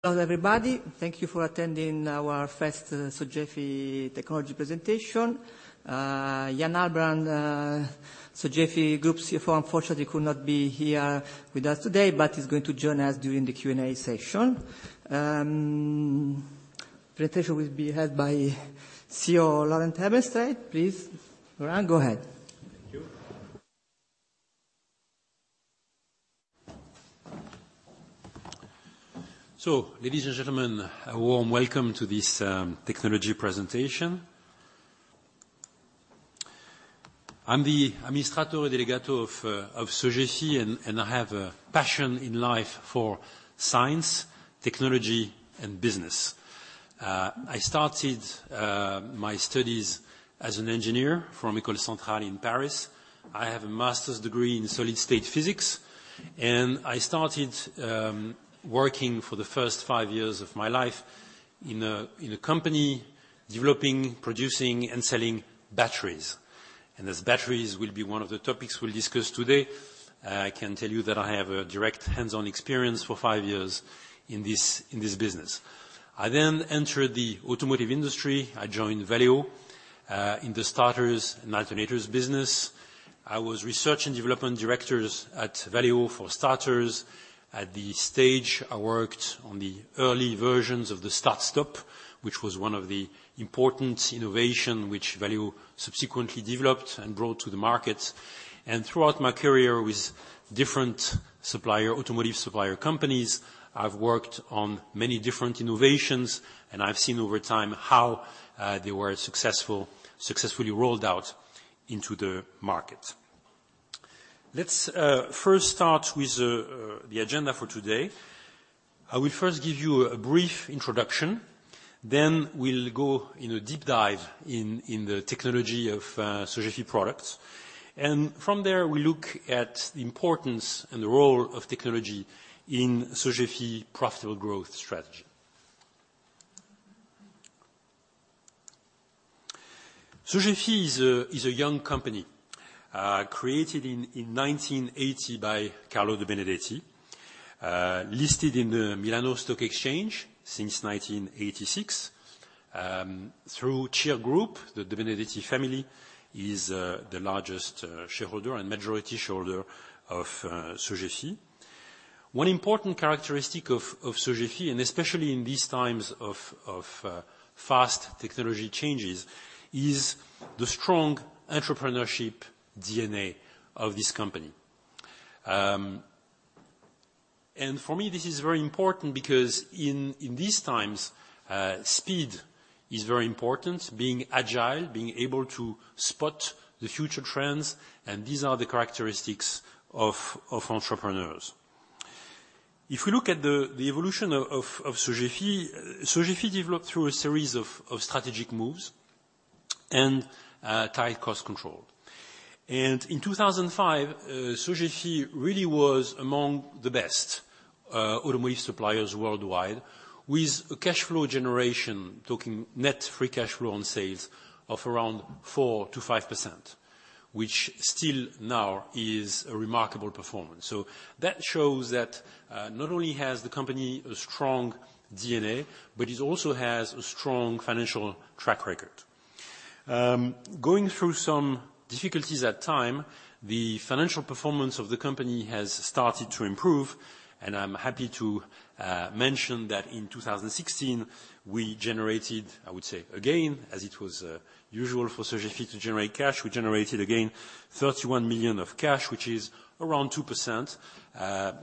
Hello, everybody. Thank you for attending our first Sogefi technology presentation. Yann Albrand, Sogefi Group CFO, unfortunately could not be here with us today, but is going to join us during the Q&A session. Presentation will be held by CEO Laurent Hebenstreit. Please, Laurent, go ahead. Thank you. Ladies and gentlemen, a warm welcome to this technology presentation. I'm the amministratore delegato of Sogefi, and I have a passion in life for science, technology, and business. I started my studies as an engineer from École Centrale in Paris. I have a master's degree in solid state physics, and I started working for the first five years of my life in a company developing, producing, and selling batteries. As batteries will be one of the topics we'll discuss today, I can tell you that I have a direct hands-on experience for five years in this business. I entered the automotive industry. I joined Valeo in the starters and alternators business. I was Research and Development Director at Valeo for starters. At the stage, I worked on the early versions of the start-stop, which was one of the important innovations which Valeo subsequently developed and brought to the market. Throughout my career with different automotive supplier companies, I've worked on many different innovations, and I've seen over time how they were successfully rolled out into the market. Let's first start with the agenda for today. I will first give you a brief introduction, then we'll go in a deep dive in the technology of Sogefi products. From there, we look at the importance and the role of technology in Sogefi profitable growth strategy. Sogefi is a young company, created in 1980 by Carlo De Benedetti, listed in the Borsa Italiana since 1986. Through CIR Group, the De Benedetti family is the largest shareholder and majority shareholder of Sogefi. One important characteristic of Sogefi, and especially in these times of fast technology changes, is the strong entrepreneurship DNA of this company. For me, this is very important because in these times, speed is very important, being agile, being able to spot the future trends, and these are the characteristics of entrepreneurs. If we look at the evolution of Sogefi developed through a series of strategic moves and tight cost control. In 2005, Sogefi really was among the best automotive suppliers worldwide, with a cash flow generation, talking net free cash flow on sales, of around 4%-5%, which still now is a remarkable performance. That shows that not only has the company a strong DNA, but it also has a strong financial track record. Going through some difficulties at time, the financial performance of the company has started to improve. I'm happy to mention that in 2016, we generated, I would say, again, as it was usual for Sogefi to generate cash, we generated again 31 million of cash, which is around 2%.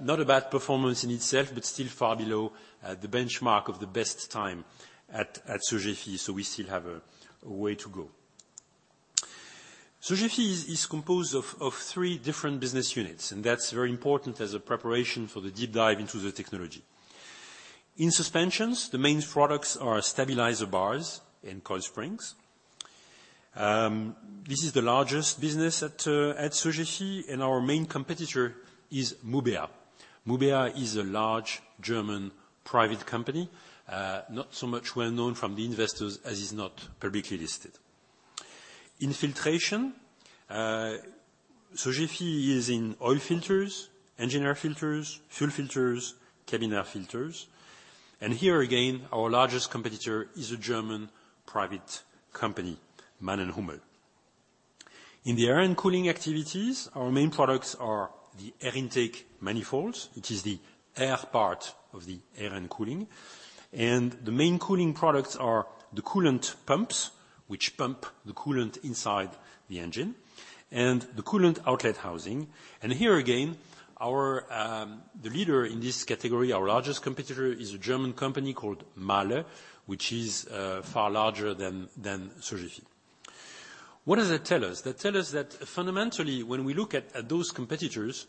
Not a bad performance in itself, but still far below the benchmark of the best time at Sogefi. We still have a way to go. Sogefi is composed of three different business units. That's very important as a preparation for the deep dive into the technology. In suspensions, the main products are stabilizer bars and coil springs. This is the largest business at Sogefi, and our main competitor is Mubea. Mubea is a large German private company. Not so much well-known from the investors as is not publicly listed. In filtration, Sogefi is in oil filters, engine filters, fuel filters, cabin air filters. Here again, our largest competitor is a German private company, Mann+Hummel. In the air and cooling activities, our main products are the air intake manifolds, which is the air part of the air and cooling. The main cooling products are the coolant pumps, which pump the coolant inside the engine, and the coolant outlet housing. Here again, the leader in this category, our largest competitor, is a German company called Mahle, which is far larger than Sogefi. What does that tell us? That tell us that fundamentally, when we look at those competitors,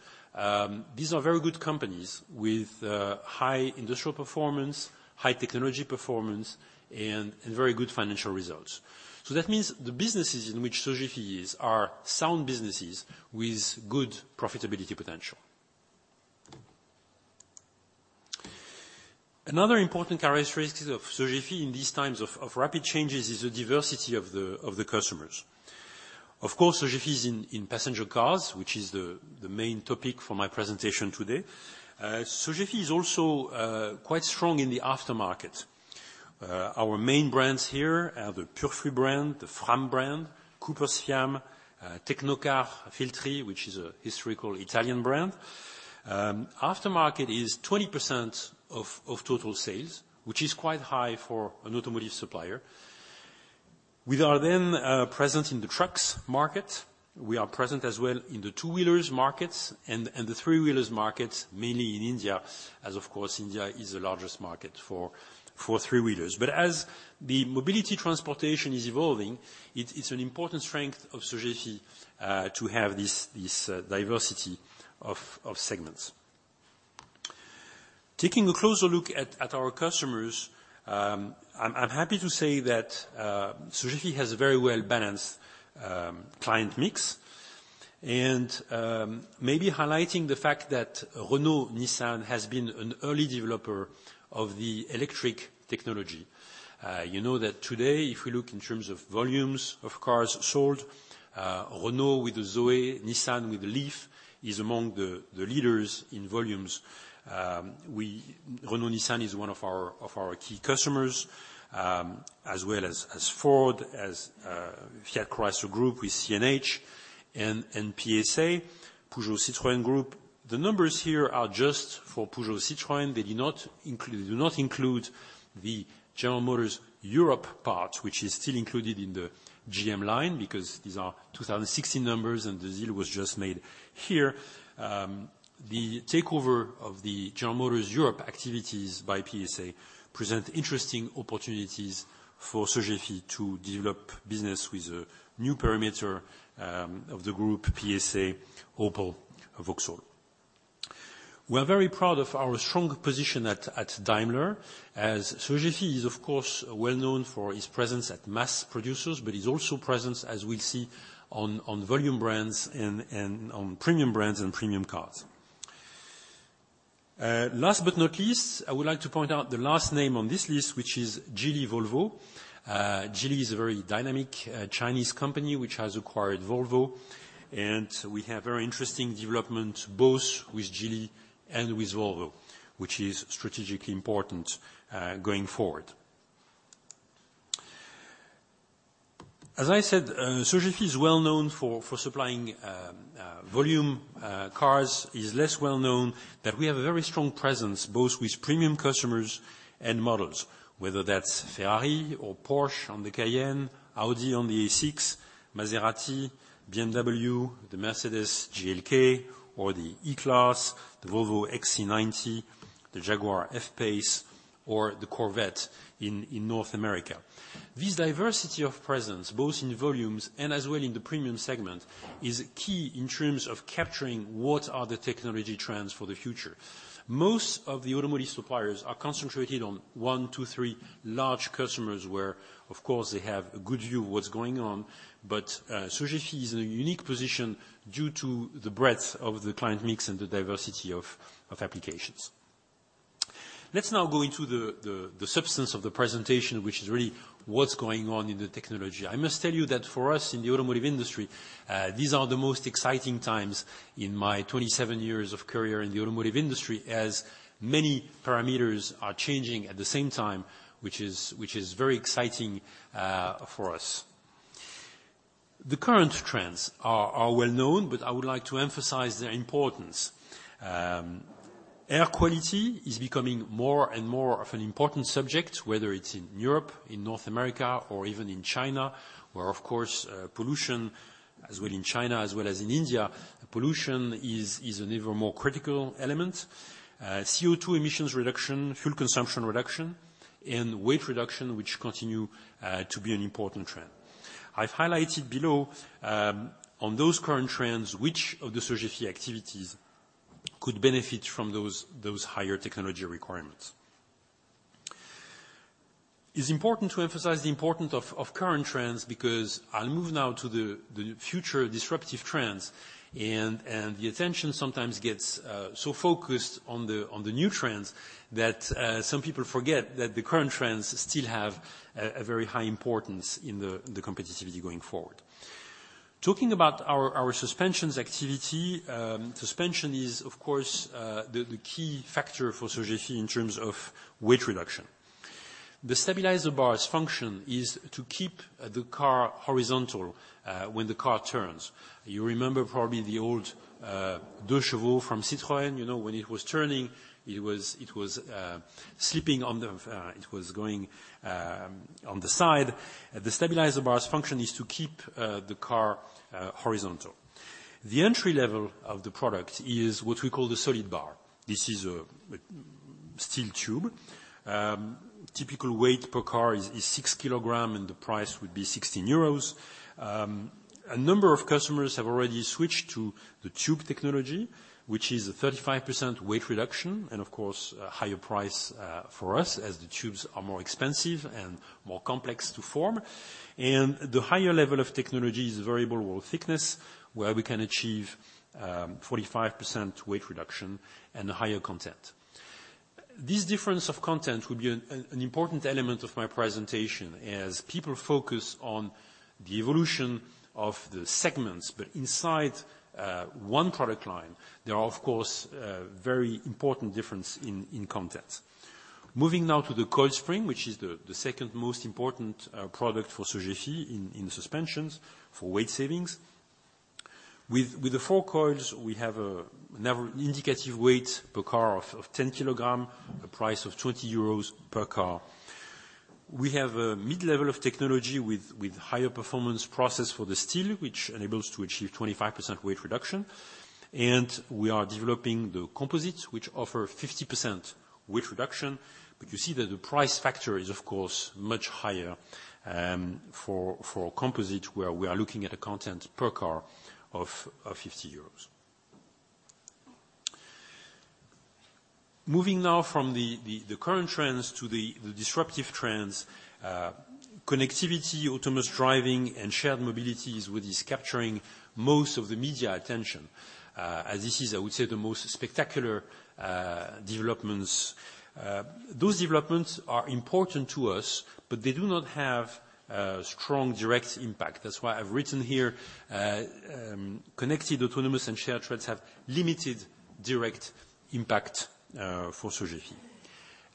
these are very good companies with high industrial performance, high technology performance, and very good financial results. That means the businesses in which Sogefi is are sound businesses with good profitability potential. Another important characteristic of Sogefi in these times of rapid changes is the diversity of the customers. Of course, Sogefi is in passenger cars, which is the main topic for my presentation today. Sogefi is also quite strong in the aftermarket. Our main brands here are the Purflux brand, the Fram brand, CoopersFiaam, Tecnocar, Filtri, which is a historical Italian brand. Aftermarket is 20% of total sales, which is quite high for an automotive supplier. We are present in the trucks market. We are present as well in the two-wheelers markets and the three-wheelers markets, mainly in India, as of course, India is the largest market for three-wheelers. As the mobility transportation is evolving, it's an important strength of Sogefi to have this diversity of segments. Taking a closer look at our customers, I'm happy to say that Sogefi has a very well-balanced client mix. Maybe highlighting the fact that Renault Nissan has been an early developer of the electric technology. You know that today, if we look in terms of volumes of cars sold, Renault with the Zoe, Nissan with the LEAF, is among the leaders in volumes. Renault Nissan is one of our key customers, as well as Ford, Fiat Chrysler group with CNH, and PSA Peugeot Citroën Group. The numbers here are just for Peugeot Citroën. They do not include the General Motors Europe part, which is still included in the GM line because these are 2016 numbers. The deal was just made here. The takeover of the General Motors Europe activities by PSA presents interesting opportunities for Sogefi to develop business with a new perimeter of the group PSA, Opel, Vauxhall. We are very proud of our strong position at Daimler, as Sogefi is, of course, well-known for its presence at mass producers, but is also present, as we see on volume brands and on premium brands and premium cars. Last but not least, I would like to point out the last name on this list, which is Geely Volvo. Geely is a very dynamic Chinese company which has acquired Volvo, and we have very interesting development both with Geely and with Volvo, which is strategically important going forward. As I said, Sogefi is well-known for supplying volume cars. It's less well-known that we have a very strong presence both with premium customers and models, whether that's Ferrari or Porsche on the Cayenne, Audi on the A6, Maserati, BMW, the Mercedes-Benz GLK or the E-Class, the Volvo XC90, the Jaguar F-Pace, or the Corvette in North America. This diversity of presence, both in volumes and as well in the premium segment, is key in terms of capturing what are the technology trends for the future. Most of the automotive suppliers are concentrated on one, two, three large customers where, of course, they have a good view of what's going on. Sogefi is in a unique position due to the breadth of the client mix and the diversity of applications. Let's now go into the substance of the presentation, which is really what's going on in the technology. I must tell you that for us in the automotive industry, these are the most exciting times in my 27 years of career in the automotive industry, as many parameters are changing at the same time, which is very exciting for us. The current trends are well-known, but I would like to emphasize their importance. Air quality is becoming more and more of an important subject, whether it's in Europe, in North America, or even in China, where, of course, pollution, as well in China as well as in India, pollution is an even more critical element. CO2 emissions reduction, fuel consumption reduction, and weight reduction, which continue to be an important trend. I've highlighted below, on those current trends, which of the Sogefi activities could benefit from those higher technology requirements. It's important to emphasize the importance of current trends, because I'll move now to the future disruptive trends. The attention sometimes gets so focused on the new trends that some people forget that the current trends still have a very high importance in the competitivity going forward. Talking about our suspensions activity, suspension is, of course, the key factor for Sogefi in terms of weight reduction. The stabilizer bar's function is to keep the car horizontal when the car turns. You remember probably the old 2CV from Citroën. When it was turning, it was going on the side. The stabilizer bar's function is to keep the car horizontal. The entry level of the product is what we call the solid bar. This is a steel tube. Typical weight per car is 6 kilograms, and the price would be 16 euros. A number of customers have already switched to the tube technology, which is a 35% weight reduction and, of course, a higher price for us as the tubes are more expensive and more complex to form. The higher level of technology is variable wall thickness, where we can achieve 45% weight reduction and a higher content. This difference of content will be an important element of my presentation as people focus on the evolution of the segments. Inside one product line, there are, of course, very important difference in content. Moving now to the coil spring, which is the second most important product for Sogefi in suspensions for weight savings. With the four coils, we have a indicative weight per car of 10 kilogram, a price of 20 euros per car. We have a mid-level of technology with higher performance process for the steel, which enables to achieve 25% weight reduction, and we are developing the composites, which offer 50% weight reduction. You see that the price factor is, of course, much higher for composite, where we are looking at a content per car of 50 euros. Moving now from the current trends to the disruptive trends. Connectivity, autonomous driving, and shared mobilities, which is capturing most of the media attention. This is, I would say, the most spectacular developments. Those developments are important to us, but they do not have strong, direct impact. That's why I've written here, connected, autonomous, and shared trends have limited direct impact for Sogefi.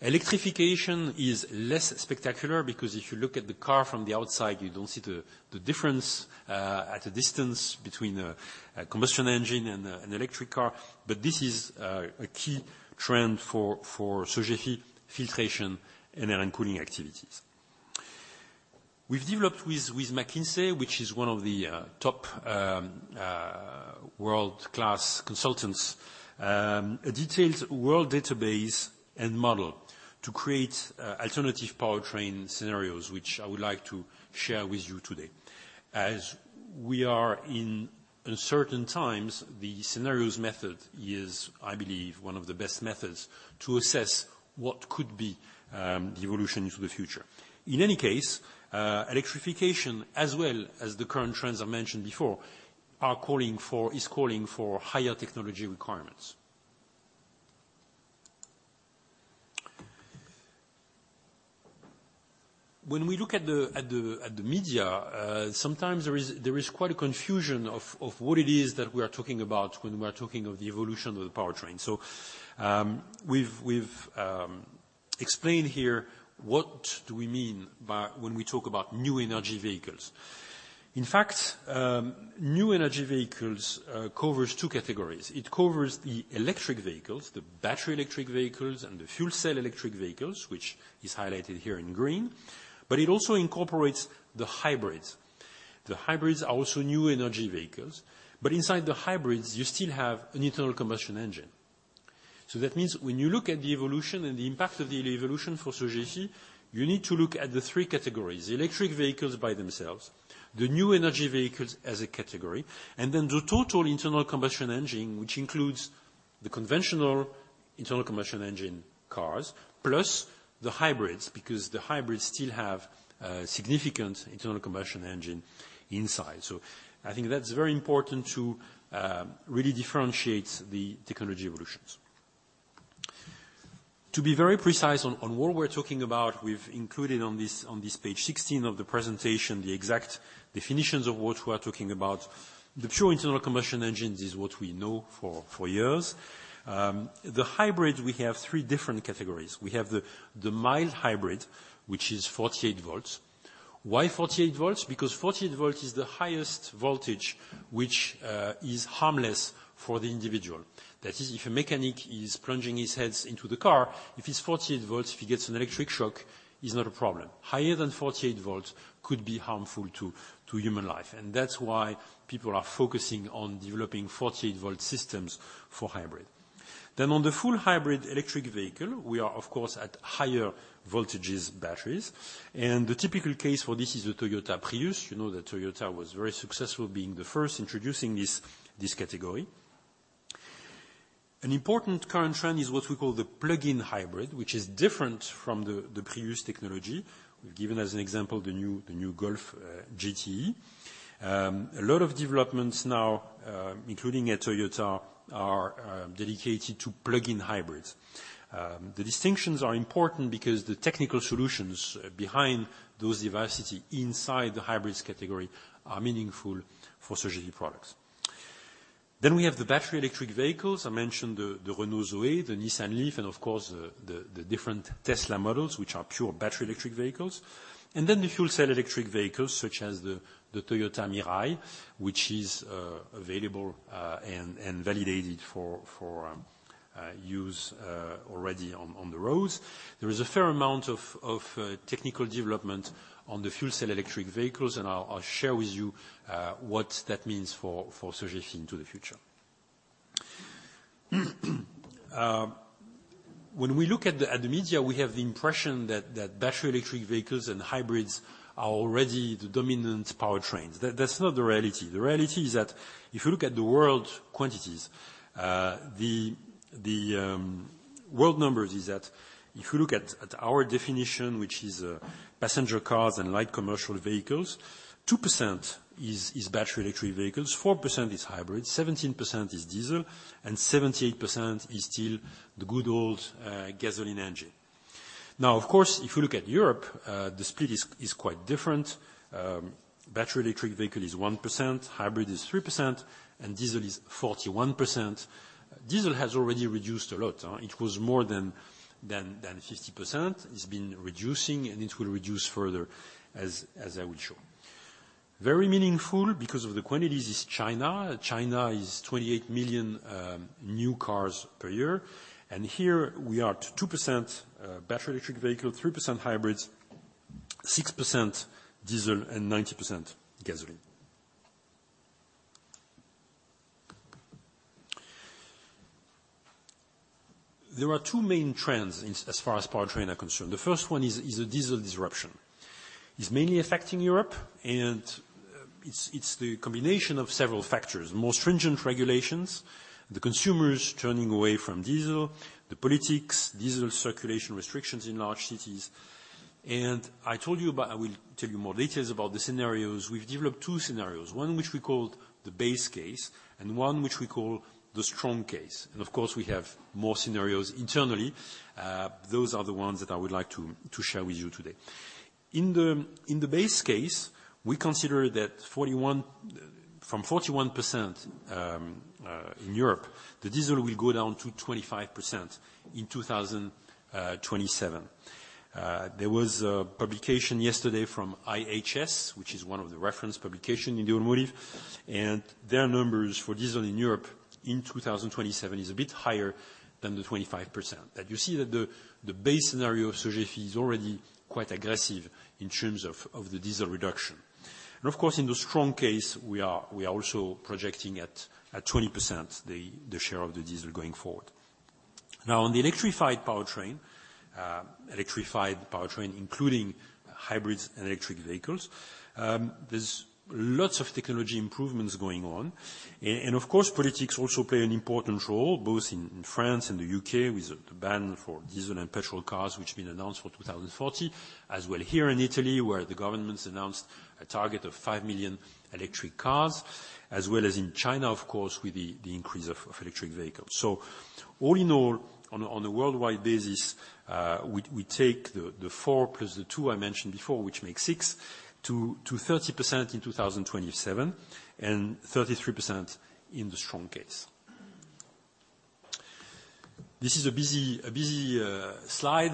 Electrification is less spectacular because if you look at the car from the outside, you don't see the difference, at a distance between a combustion engine and an electric car. This is a key trend for Sogefi filtration and air cooling activities. We've developed with McKinsey, which is one of the top world-class consultants, a detailed world database and model to create alternative powertrain scenarios, which I would like to share with you today. We are in uncertain times, the scenarios method is, I believe, one of the best methods to assess what could be the evolution into the future. In any case, electrification as well as the current trends I mentioned before is calling for higher technology requirements. When we look at the media, sometimes there is quite a confusion of what it is that we are talking about when we are talking of the evolution of the powertrain. We've explained here what do we mean when we talk about new energy vehicles. In fact, new energy vehicles covers two categories. It covers the electric vehicles, the battery electric vehicles, and the fuel cell electric vehicles, which is highlighted here in green, but it also incorporates the hybrids. The hybrids are also new energy vehicles. Inside the hybrids, you still have an internal combustion engine. That means when you look at the evolution and the impact of the evolution for Sogefi, you need to look at the three categories, the electric vehicles by themselves, the new energy vehicles as a category, and then the total internal combustion engine, which includes the conventional internal combustion engine cars, plus the hybrids, because the hybrids still have significant internal combustion engine inside. I think that's very important to really differentiate the technology evolutions. To be very precise on what we're talking about, we've included on this page 16 of the presentation, the exact definitions of what we are talking about. The pure internal combustion engines is what we know for years. The hybrid, we have three different categories. We have the mild hybrid, which is 48 volts. Why 48 volts? Because 48 volts is the highest voltage which is harmless for the individual. That is, if a mechanic is plunging his heads into the car, if it's 48 volts, if he gets an electric shock, it's not a problem. Higher than 48 volts could be harmful to human life. That's why people are focusing on developing 48-volt systems for hybrid. On the full hybrid electric vehicle, we are, of course, at higher voltages batteries. The typical case for this is the Toyota Prius. You know that Toyota was very successful being the first introducing this category. An important current trend is what we call the plug-in hybrid, which is different from the Prius technology. We've given as an example, the new Golf GTE. A lot of developments now, including at Toyota, are dedicated to plug-in hybrids. The distinctions are important because the technical solutions behind those diversity inside the hybrids category are meaningful for Sogefi products. We have the battery electric vehicles. I mentioned the Renault Zoe, the Nissan LEAF, and of course, the different Tesla models, which are pure battery electric vehicles. The fuel cell electric vehicles, such as the Toyota Mirai, which is available, and validated for use already on the roads. There is a fair amount of technical development on the fuel cell electric vehicles. I'll share with you what that means for Sogefi into the future. When we look at the media, we have the impression that battery electric vehicles and hybrids are already the dominant powertrains. That's not the reality. The reality is that if you look at the world quantities, the world numbers is that if you look at our definition, which is passenger cars and light commercial vehicles, 2% is battery electric vehicles, 4% is hybrid, 17% is diesel, and 78% is still the good old gasoline engine. Of course, if you look at Europe, the split is quite different. Battery electric vehicle is 1%, hybrid is 3%, and diesel is 41%. Diesel has already reduced a lot. It was more than 50%. It's been reducing. It will reduce further, as I will show. Very meaningful because of the quantities is China. China is 28 million new cars per year. Here we are at 2% battery electric vehicle, 3% hybrids, 6% diesel, and 19% gasoline. There are two main trends as far as powertrain are concerned. The first one is the diesel disruption. It's mainly affecting Europe. It's the combination of several factors. More stringent regulations, the consumers turning away from diesel, the politics, diesel circulation restrictions in large cities. I will tell you more details about the scenarios. We've developed two scenarios. One, which we call the base case, and one, which we call the strong case. Of course, we have more scenarios internally. Those are the ones that I would like to share with you today. In the base case, we consider that from 41% in Europe, the diesel will go down to 25% in 2027. There was a publication yesterday from IHS, which is one of the reference publication in the automotive. Their numbers for diesel in Europe in 2027 is a bit higher than the 25%. You see that the base scenario of Sogefi is already quite aggressive in terms of the diesel reduction. In the strong case, we are also projecting at 20% the share of the diesel going forward. Now, on the electrified powertrain, including hybrids and electric vehicles, there's lots of technology improvements going on. Politics also play an important role, both in France and the U.K. with the ban for diesel and petrol cars, which have been announced for 2040, as well here in Italy, where the government's announced a target of 5 million electric cars, as well as in China, of course, with the increase of electric vehicles. All in all, on a worldwide basis, we take the 4 plus the 2 I mentioned before, which makes 6 to 30% in 2027 and 33% in the strong case. This is a busy slide.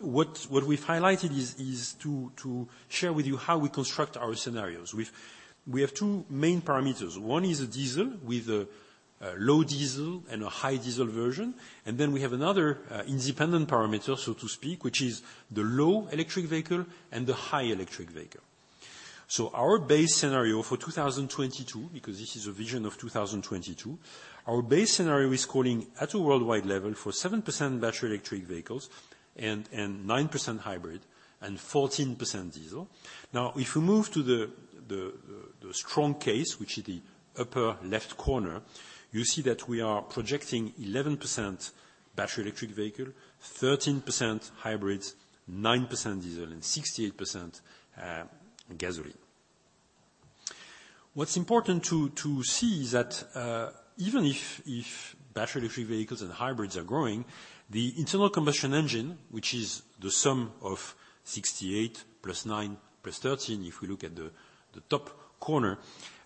What we've highlighted is to share with you how we construct our scenarios. We have two main parameters. One is a diesel with a low diesel and a high diesel version, and then we have another independent parameter, so to speak, which is the low electric vehicle and the high electric vehicle. Our base scenario for 2022, because this is a vision of 2022, our base scenario is calling at a worldwide level for 7% battery electric vehicles and 9% hybrid and 14% diesel. If we move to the strong case, which is the upper left corner, you see that we are projecting 11% battery electric vehicle, 13% hybrids, 9% diesel, and 16% gasoline. What's important to see is that even if battery electric vehicles and hybrids are growing, the internal combustion engine, which is the sum of 68 plus 9 plus 13, if we look at the top corner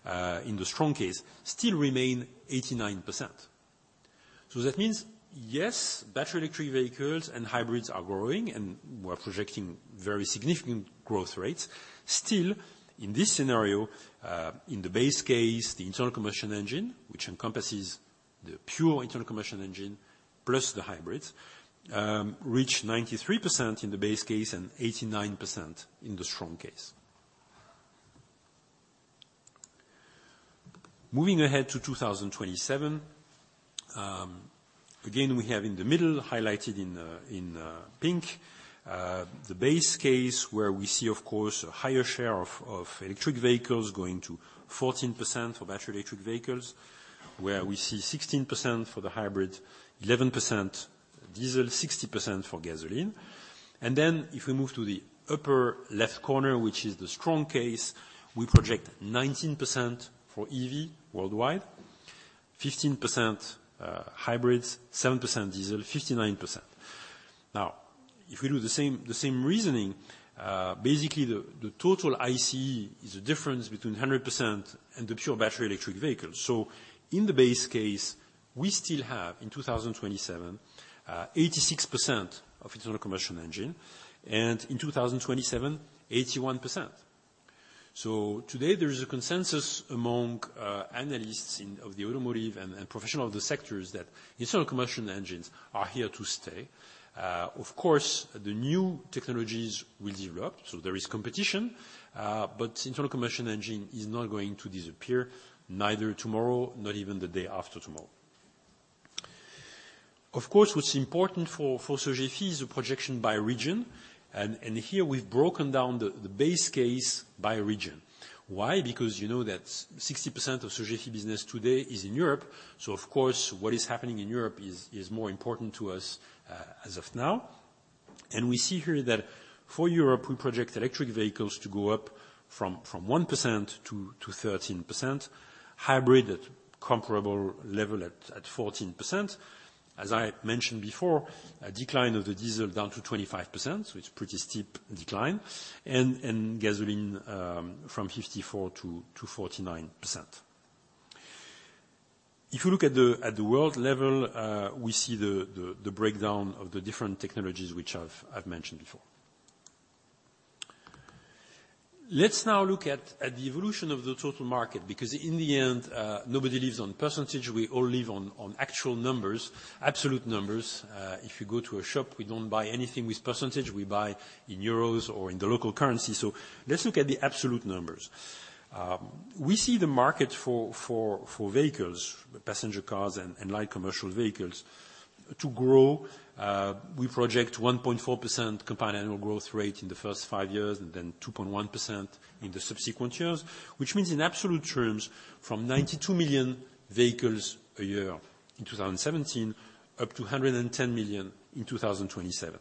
in the strong case, still remain 89%. That means, yes, battery electric vehicles and hybrids are growing, and we're projecting very significant growth rates. Still, in this scenario, in the base case, the internal combustion engine, which encompasses the pure internal combustion engine plus the hybrids, reach 93% in the base case and 89% in the strong case. Moving ahead to 2027. Again, we have in the middle highlighted in pink, the base case where we see, of course, a higher share of electric vehicles going to 14% for battery electric vehicles, where we see 16% for the hybrid, 11% diesel, 16% for gasoline. If we move to the upper left corner, which is the strong case, we project 19% for EV worldwide, 15% hybrids, 7% diesel, 59%. If we do the same reasoning, basically the total ICE is a difference between 100% and the pure battery electric vehicle. In the base case, we still have in 2027, 86% of internal combustion engine, and in 2027, 81%. Today there is a consensus among analysts of the automotive and professional of the sectors that internal combustion engines are here to stay. Of course, the new technologies will develop, so there is competition. Internal combustion engine is not going to disappear neither tomorrow, not even the day after tomorrow. Of course, what's important for Sogefi is a projection by region, and here we've broken down the base case by region. Why? Because you know that 60% of Sogefi business today is in Europe, so of course, what is happening in Europe is more important to us as of now. We see here that for Europe, we project electric vehicles to go up from 1% to 13%, hybrid at comparable level at 14%. As I mentioned before, a decline of the diesel down to 25%. It's a pretty steep decline, and gasoline from 54% to 49%. If you look at the world level, we see the breakdown of the different technologies which I've mentioned before. Let's now look at the evolution of the total market, because in the end, nobody lives on percentage, we all live on actual numbers, absolute numbers. If you go to a shop, we don't buy anything with percentage, we buy in EUR or in the local currency. Let's look at the absolute numbers. We see the market for vehicles, passenger cars, and light commercial vehicles to grow. We project 1.4% compound annual growth rate in the first five years and then 2.1% in the subsequent years, which means in absolute terms, from 92 million vehicles a year in 2017 up to 110 million in 2027.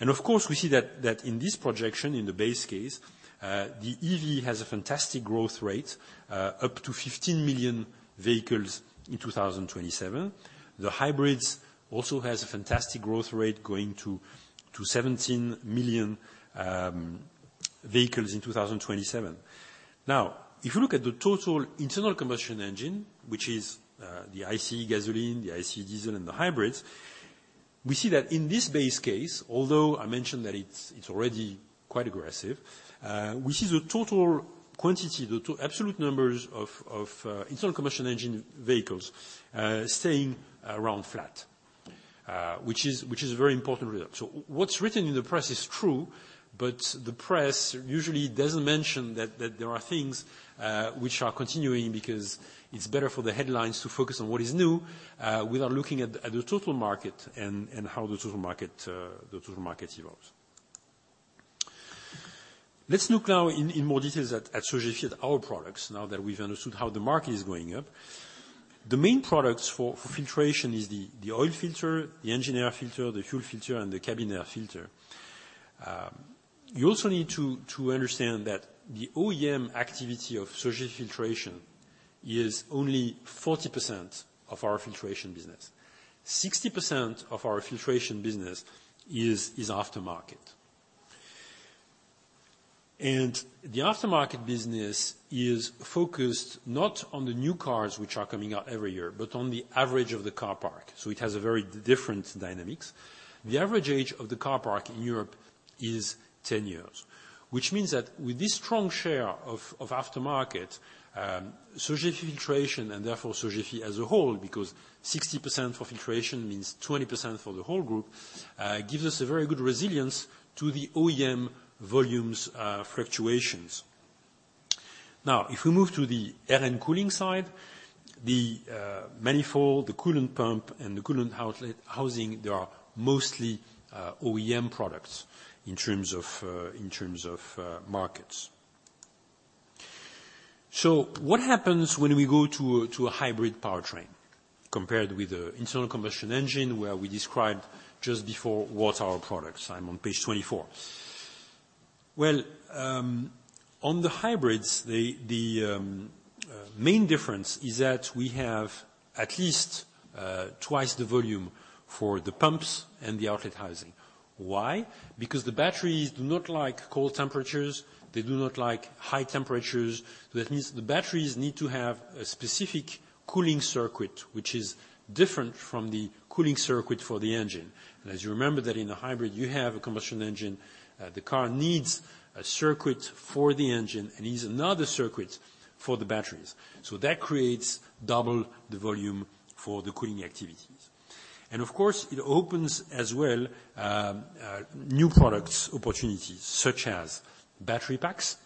Of course, we see that in this projection, in the base case, the EV has a fantastic growth rate up to 15 million vehicles in 2027. The hybrids also has a fantastic growth rate, going to 17 million vehicles in 2027. Now, if you look at the total internal combustion engine, which is the IC gasoline, the IC diesel, and the hybrids, we see that in this base case, although I mentioned that it's already quite aggressive, we see the total quantity, the absolute numbers of internal combustion engine vehicles staying around flat, which is a very important result. What's written in the press is true. The press usually doesn't mention that there are things which are continuing because it's better for the headlines to focus on what is new, without looking at the total market and how the total market evolves. Let's look now in more details at Sogefi, at our products, now that we've understood how the market is going up. The main products for filtration is the oil filter, the engine air filter, the fuel filter, and the cabin air filter. You also need to understand that the OEM activity of Sogefi filtration is only 40% of our filtration business. 60% of our filtration business is aftermarket. The aftermarket business is focused not on the new cars, which are coming out every year, but on the average of the car park. It has a very different dynamics. The average age of the car park in Europe is 10 years, which means that with this strong share of aftermarket, Sogefi filtration and therefore Sogefi as a whole, because 60% for filtration means 20% for the whole group, gives us a very good resilience to the OEM volumes fluctuations. Now, if we move to the air-end cooling side, the manifold, the coolant pump, and the coolant outlet housing, they are mostly OEM products in terms of markets. What happens when we go to a hybrid powertrain compared with the internal combustion engine where we described just before what are our products? I'm on page 24. Well, on the hybrids, the main difference is that we have at least twice the volume for the pumps and the outlet housing. Why? Because the batteries do not like cold temperatures. They do not like high temperatures. That means the batteries need to have a specific cooling circuit, which is different from the cooling circuit for the engine. As you remember that in a hybrid, you have a combustion engine. The car needs a circuit for the engine and needs another circuit for the batteries. That creates double the volume for the cooling activities. Of course, it opens as well, new products opportunities such as battery packs,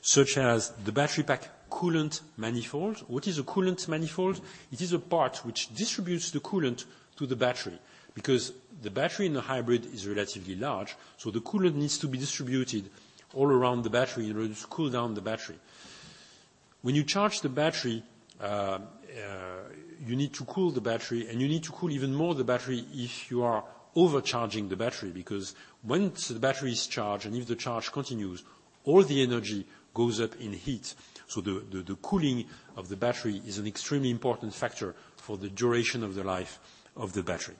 such as the battery pack coolant manifold. What is a coolant manifold? It is a part which distributes the coolant to the battery, because the battery in the hybrid is relatively large, the coolant needs to be distributed all around the battery in order to cool down the battery. When you charge the battery, you need to cool the battery, and you need to cool even more the battery if you are overcharging the battery because once the battery is charged and if the charge continues, all the energy goes up in heat. The cooling of the battery is an extremely important factor for the duration of the life of the battery.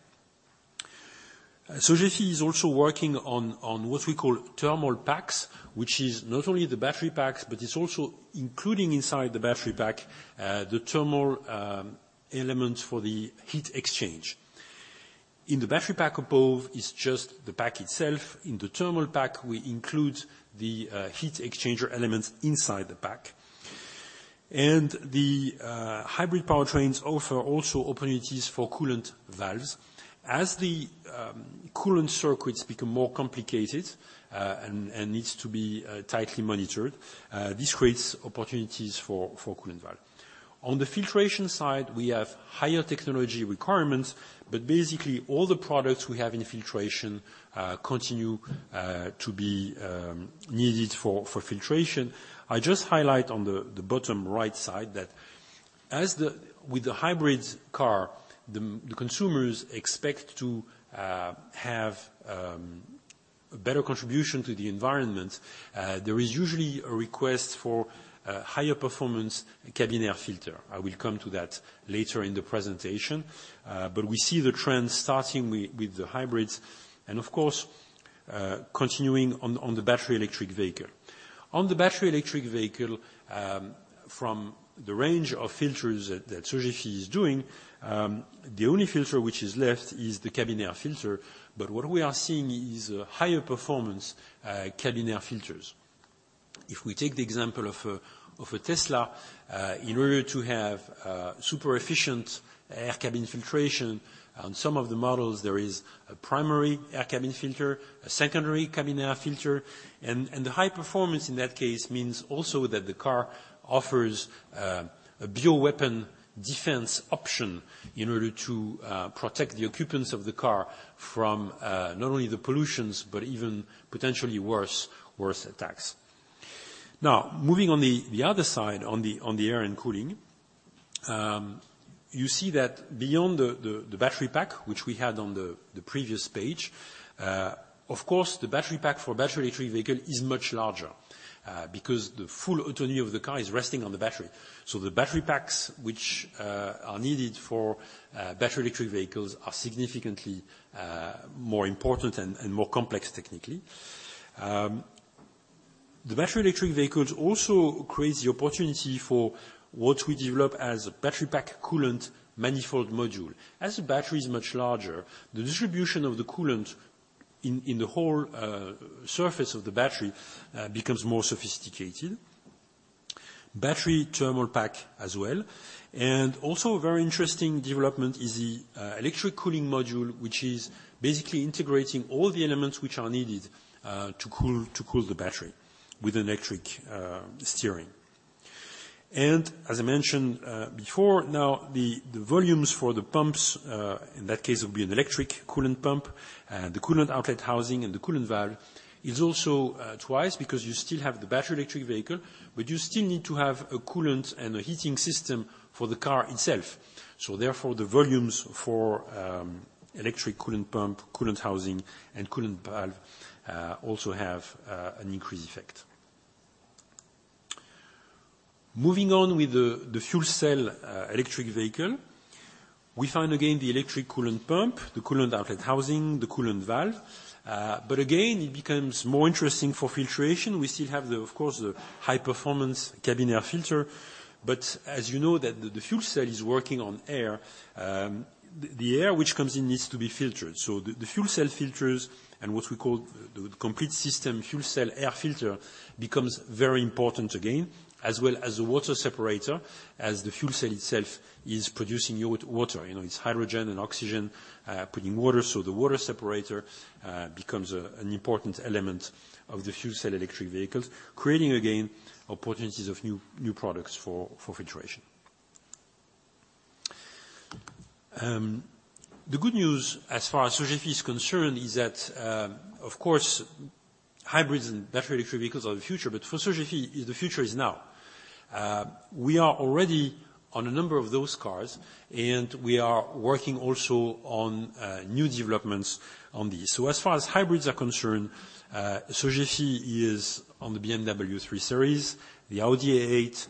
Sogefi is also working on what we call thermal packs, which is not only the battery packs, but it's also including inside the battery pack the thermal elements for the heat exchange. In the battery pack above is just the pack itself. In the thermal pack, we include the heat exchanger elements inside the pack. The hybrid powertrains offer also opportunities for coolant valves. As the coolant circuits become more complicated and needs to be tightly monitored, this creates opportunities for coolant valve. On the filtration side, we have higher technology requirements, but basically all the products we have in filtration continue to be needed for filtration. I just highlight on the bottom right side that with the hybrid car, the consumers expect to have a better contribution to the environment. There is usually a request for a higher performance cabin air filter. I will come to that later in the presentation. We see the trend starting with the hybrids, of course, continuing on the battery electric vehicle. On the battery electric vehicle, from the range of filters that Sogefi is doing, the only filter which is left is the cabin air filter. What we are seeing is higher performance cabin air filters. If we take the example of a Tesla, in order to have super efficient air cabin filtration on some of the models, there is a primary air cabin filter, a secondary cabin air filter. The high performance in that case means also that the car offers a bio weapon defense option in order to protect the occupants of the car from not only the pollutions, but even potentially worse attacks. Moving on the other side, on the air and cooling. You see that beyond the battery pack, which we had on the previous page, of course, the battery pack for battery electric vehicle is much larger, because the full autonomy of the car is resting on the battery. The battery packs which are needed for battery electric vehicles are significantly more important and more complex technically. The battery electric vehicles also creates the opportunity for what we develop as a battery pack coolant manifold module. As the battery is much larger, the distribution of the coolant in the whole surface of the battery becomes more sophisticated. Battery thermal pack as well. Also a very interesting development is the electric cooling module, which is basically integrating all the elements which are needed to cool the battery with electric steering. As I mentioned before, now the volumes for the pumps, in that case it would be an electric coolant pump, the coolant outlet housing and the coolant valve is also twice because you still have the battery electric vehicle, but you still need to have a coolant and a heating system for the car itself. Therefore, the volumes for electric coolant pump, coolant housing, and coolant valve also have an increased effect. Moving on with the fuel cell electric vehicle, we find again the electric coolant pump, the coolant outlet housing, the coolant valve. Again, it becomes more interesting for filtration. We still have, of course, the high performance cabin air filter, but as you know that the fuel cell is working on air, the air which comes in needs to be filtered. The fuel cell filters and what we call the complete system fuel cell air filter becomes very important again, as well as the water separator, as the fuel cell itself is producing water. It is hydrogen and oxygen, putting water. The water separator becomes an important element of the fuel cell electric vehicles, creating again opportunities of new products for filtration. The good news as far as Sogefi is concerned, is that, of course, hybrids and battery electric vehicles are the future, but for Sogefi, the future is now. We are already on a number of those cars, and we are working also on new developments on these. As far as hybrids are concerned, Sogefi is on the BMW 3 Series, the Audi A8,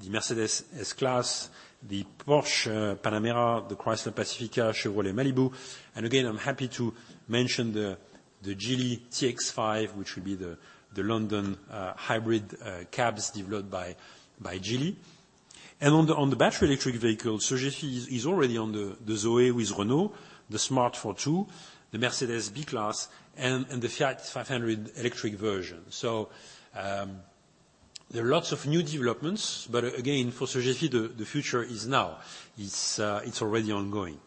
the Mercedes-Benz S-Class, the Porsche Panamera, the Chrysler Pacifica, Chevrolet Malibu. Again, I am happy to mention the Geely TX5, which will be the London hybrid cabs developed by Geely. On the battery electric vehicle, Sogefi is already on the Renault Zoe, the Smart Fortwo, the Mercedes-Benz B-Class, and the Fiat 500e. There are lots of new developments, but again, for Sogefi, the future is now. It is already ongoing.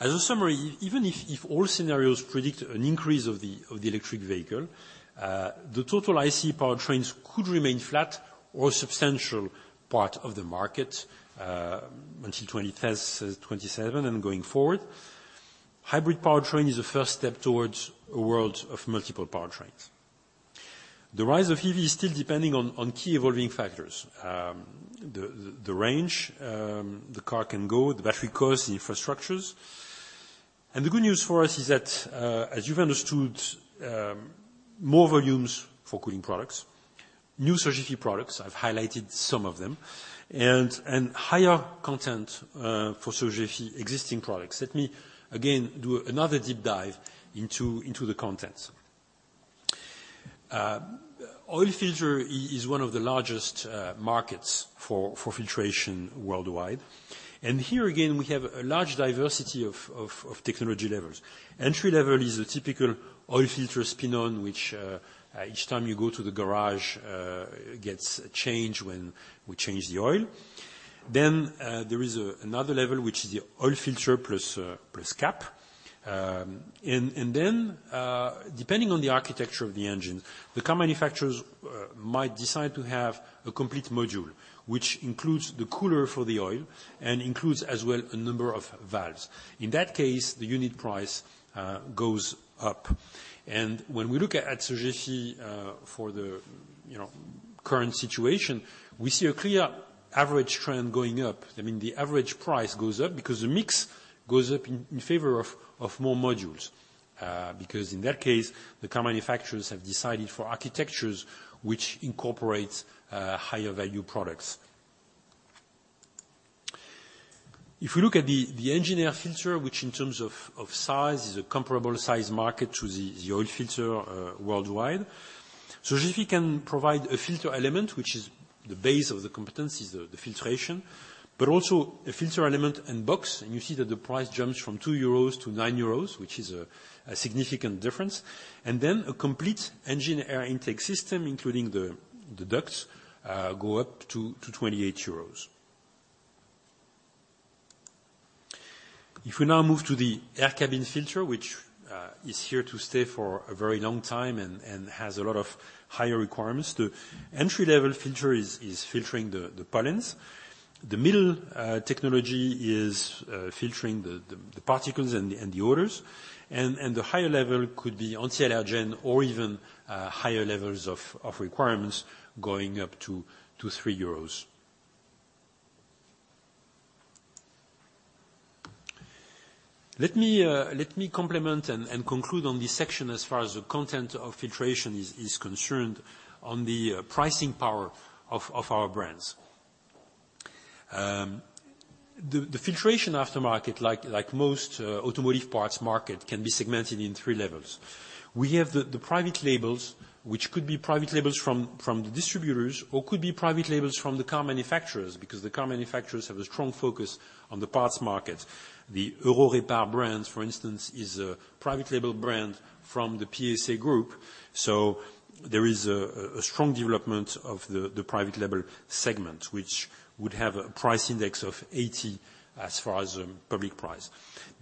As a summary, even if all scenarios predict an increase of the electric vehicle, the total ICE powertrains could remain flat or a substantial part of the market, until 2037 and going forward. Hybrid powertrain is a first step towards a world of multiple powertrains. The rise of EV is still depending on key evolving factors. The range the car can go, the battery cost, the infrastructures. The good news for us is that, as you have understood, more volumes for cooling products, new Sogefi products, I have highlighted some of them. Higher content, for Sogefi existing products. Let me again do another deep dive into the contents. Oil filter is one of the largest markets for filtration worldwide. Here again, we have a large diversity of technology levels. Entry level is a typical oil filter spin on which each time you go to the garage, gets changed when we change the oil. There is another level, which is the oil filter plus cap. Then, depending on the architecture of the engine, the car manufacturers might decide to have a complete module, which includes the cooler for the oil and includes as well a number of valves. In that case, the unit price goes up. When we look at Sogefi for the current situation, we see a clear average trend going up. The average price goes up because the mix goes up in favor of more modules. In that case, the car manufacturers have decided for architectures which incorporates higher value products. If we look at the engine air filter, which in terms of size is a comparable size market to the oil filter worldwide. Sogefi can provide a filter element, which is the base of the competencies, the filtration, but also a filter element and box, and you see that the price jumps from 2 euros to 9 euros, which is a significant difference. A complete engine air intake system, including the ducts, go up to 28 euros. If we now move to the air cabin filter, which is here to stay for a very long time and has a lot of higher requirements. The entry-level filter is filtering the pollens. The middle technology is filtering the particles and the odors. The higher level could be anti-allergen or even higher levels of requirements going up to 3 euros. Let me complement and conclude on this section as far as the content of filtration is concerned on the pricing power of our brands. The filtration aftermarket, like most automotive parts market, can be segmented in 3 levels. We have the private labels, which could be private labels from the distributors or could be private labels from the car manufacturers, because the car manufacturers have a strong focus on the parts market. The Eurorepar brand, for instance, is a private label brand from the PSA Group. There is a strong development of the private label segment, which would have a price index of 80 as far as public price.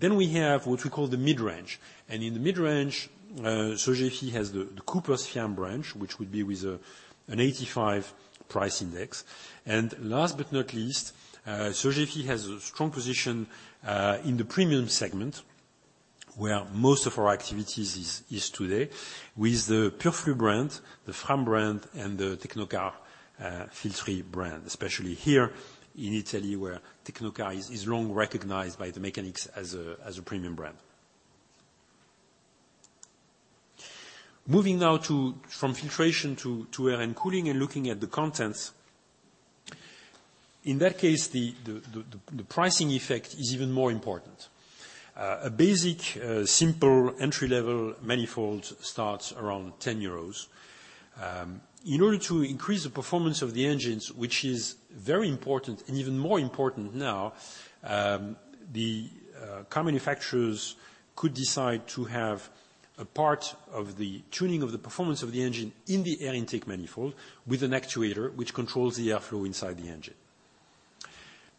We have what we call the mid-range. In the mid-range, Sogefi has the CoopersFiaam brand, which would be with an 85 price index. Last but not least, Sogefi has a strong position in the premium segment, where most of our activities is today with the Purflux brand, the Fram brand, and the Tecnocar Filtri brand, especially here in Italy, where Tecnocar is long recognized by the mechanics as a premium brand. Moving now from filtration to air and cooling and looking at the contents. In that case, the pricing effect is even more important. A basic, simple entry-level manifold starts around 10 euros. In order to increase the performance of the engines, which is very important and even more important now, the car manufacturers could decide to have a part of the tuning of the performance of the engine in the air intake manifold with an actuator, which controls the airflow inside the engine.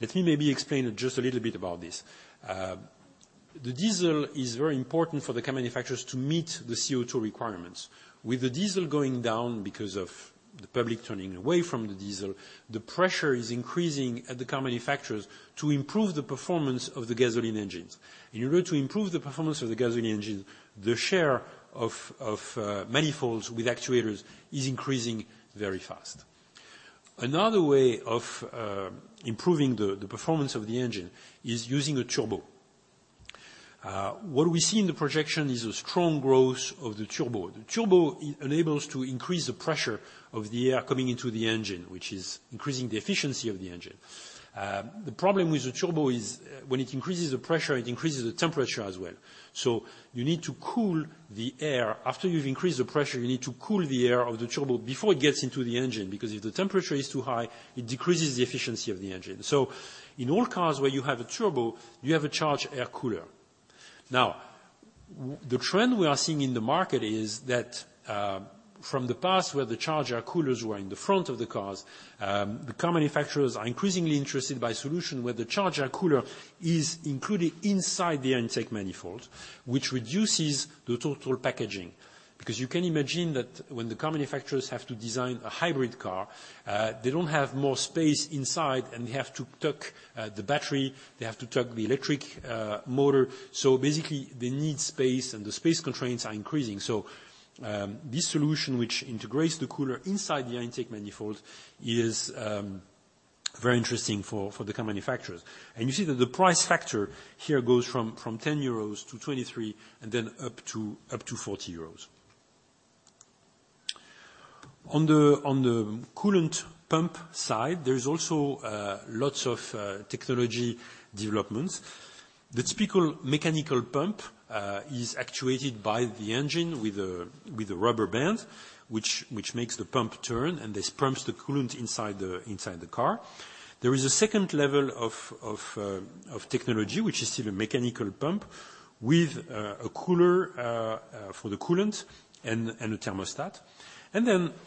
Let me maybe explain just a little bit about this. The diesel is very important for the car manufacturers to meet the CO2 requirements. With the diesel going down because of the public turning away from the diesel, the pressure is increasing at the car manufacturers to improve the performance of the gasoline engines. In order to improve the performance of the gasoline engine, the share of manifolds with actuators is increasing very fast. Another way of improving the performance of the engine is using a turbo. What we see in the projection is a strong growth of the turbo. The turbo enables to increase the pressure of the air coming into the engine, which is increasing the efficiency of the engine. The problem with the turbo is when it increases the pressure, it increases the temperature as well. You need to cool the air. After you've increased the pressure, you need to cool the air of the turbo before it gets into the engine, because if the temperature is too high, it decreases the efficiency of the engine. In all cars where you have a turbo, you have a charge air cooler. The trend we are seeing in the market is that from the past where the charge air coolers were in the front of the cars, the car manufacturers are increasingly interested by solution where the charge air cooler is included inside the air intake manifold, which reduces the total packaging. You can imagine that when the car manufacturers have to design a hybrid car, they don't have more space inside and they have to tuck the battery, they have to tuck the electric motor. Basically, they need space and the space constraints are increasing. This solution which integrates the cooler inside the air intake manifold is very interesting for the car manufacturers. You see that the price factor here goes from 10 euros to 23 and then up to 40 euros. On the coolant pump side, there is also lots of technology developments. The typical mechanical pump is actuated by the engine with a rubber band, which makes the pump turn, this pumps the coolant inside the car. There is a second level of technology, which is still a mechanical pump with a cooler for the coolant and a thermostat.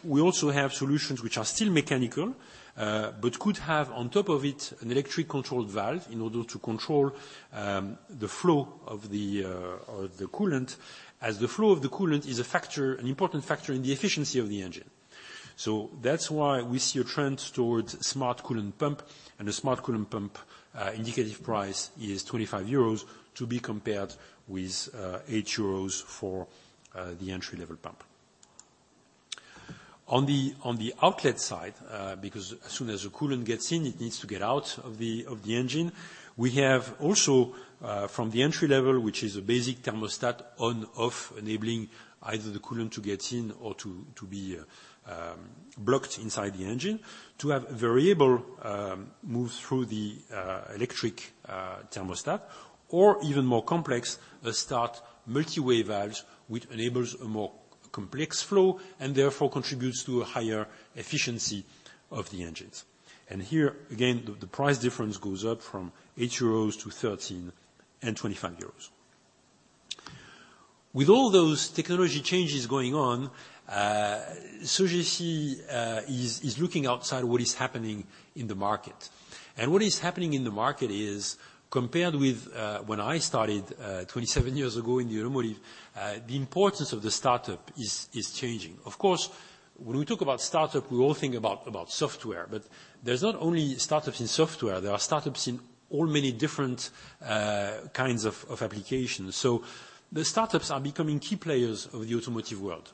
We also have solutions which are still mechanical, but could have on top of it an electric-controlled valve in order to control the flow of the coolant, as the flow of the coolant is an important factor in the efficiency of the engine. That's why we see a trend towards smart coolant pump, and a smart coolant pump indicative price is 25 euros to be compared with 8 euros for the entry-level pump. On the outlet side, because as soon as the coolant gets in, it needs to get out of the engine. We have also from the entry level, which is a basic thermostat on/off, enabling either the coolant to get in or to be blocked inside the engine, to have a variable move through the electric thermostat, or even more complex, a smart multi-way valve, which enables a more complex flow and therefore contributes to a higher efficiency of the engines. Here again, the price difference goes up from 8 euros to 13 and 25 euros. With all those technology changes going on, Sogefi is looking outside at what is happening in the market. What is happening in the market is compared with when I started 27 years ago in the automotive, the importance of the startup is changing. Of course, when we talk about startup, we all think about software, but there's not only startups in software. There are startups in all many different kinds of applications. The startups are becoming key players of the automotive world.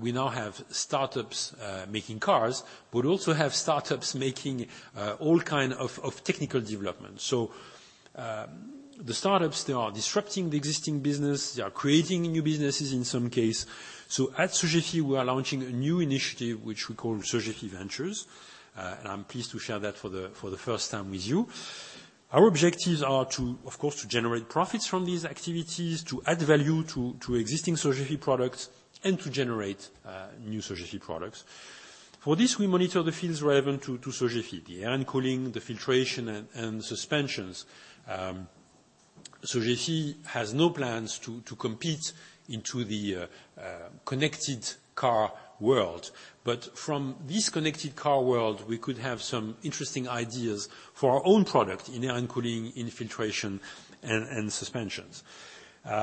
We now have startups making cars, but also have startups making all kind of technical development. The startups, they are disrupting the existing business. They are creating new businesses in some case. At Sogefi, we are launching a new initiative, which we call Sogefi Ventures, and I am pleased to share that for the first time with you. Our objectives are, of course, to generate profits from these activities, to add value to existing Sogefi products, and to generate new Sogefi products. For this, we monitor the fields relevant to Sogefi, the air cooling, the filtration, and suspensions. Sogefi has no plans to compete into the connected car world. But from this connected car world, we could have some interesting ideas for our own product in air cooling, in filtration, and suspensions.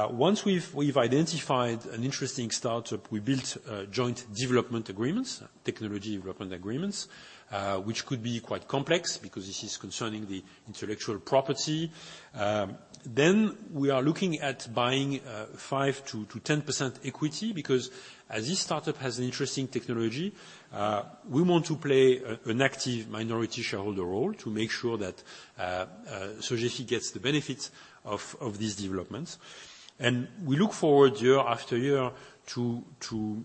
Once we have identified an interesting startup, we built joint development agreements, technology development agreements, which could be quite complex because this is concerning the intellectual property. We are looking at buying 5%-10% equity, because as this startup has an interesting technology, we want to play an active minority shareholder role to make sure that Sogefi gets the benefits of these developments. We look forward year after year to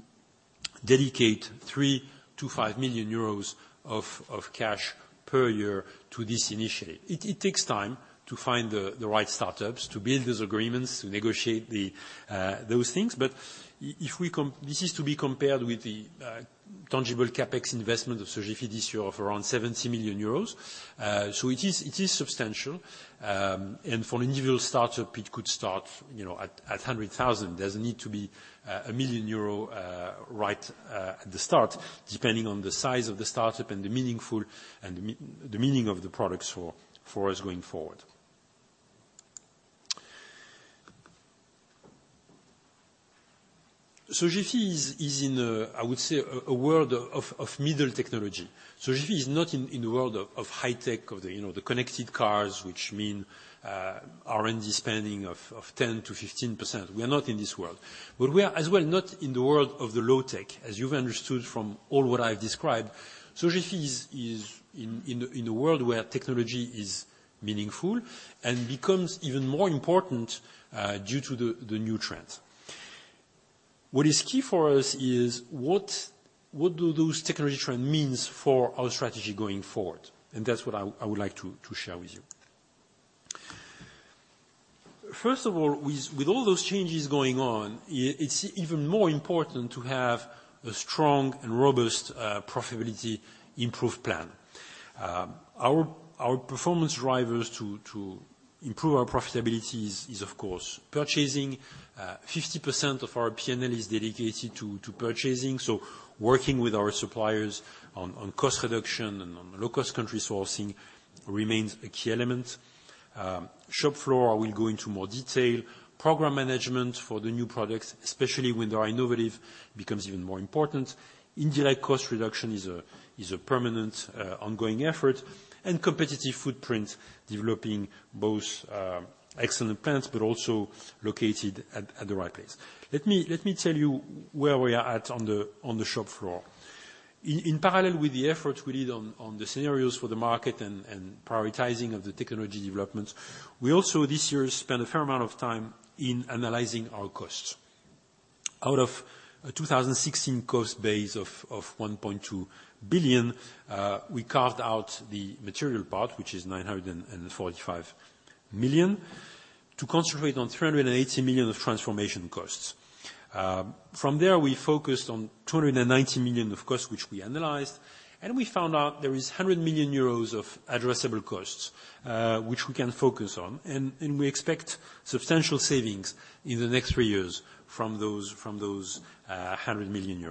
dedicate 3 million-5 million euros of cash per year to this initiative. It takes time to find the right startups to build these agreements, to negotiate those things. But this is to be compared with the tangible CapEx investment of Sogefi this year of around 70 million euros. So it is substantial. For an individual startup, it could start at 100,000. There does not need to be 1 million euro right at the start, depending on the size of the startup and the meaning of the products for us going forward. Sogefi is in, I would say, a world of middle technology. Sogefi is not in the world of high tech of the connected cars, which mean R&D spending of 10%-15%. We are not in this world, but we are as well not in the world of the low tech, as you have understood from all what I have described. Sogefi is in a world where technology is meaningful and becomes even more important, due to the new trends. What is key for us is what do those technology trend means for our strategy going forward? That is what I would like to share with you. First of all, with all those changes going on, it is even more important to have a strong and robust profitability improved plan. Our performance drivers to improve our profitability is of course purchasing. 50% of our P&L is dedicated to purchasing, so working with our suppliers on cost reduction and on low-cost country sourcing remains a key element. Shop floor. I will go into more detail. Program management for the new products, especially when they are innovative, becomes even more important. Indirect cost reduction is a permanent, ongoing effort. Competitive footprint, developing both excellent plants, but also located at the right place. Let me tell you where we are at on the shop floor. In parallel with the efforts we did on the scenarios for the market and prioritizing of the technology developments, we also this year spent a fair amount of time in analyzing our costs. Out of a 2016 cost base of 1.2 billion, we carved out the material part, which is 945 million, to concentrate on 380 million of transformation costs. From there, we focused on 290 million of costs, which we analyzed, and we found out there is 100 million euros of addressable costs, which we can focus on, and we expect substantial savings in the next three years from those EUR 100 million.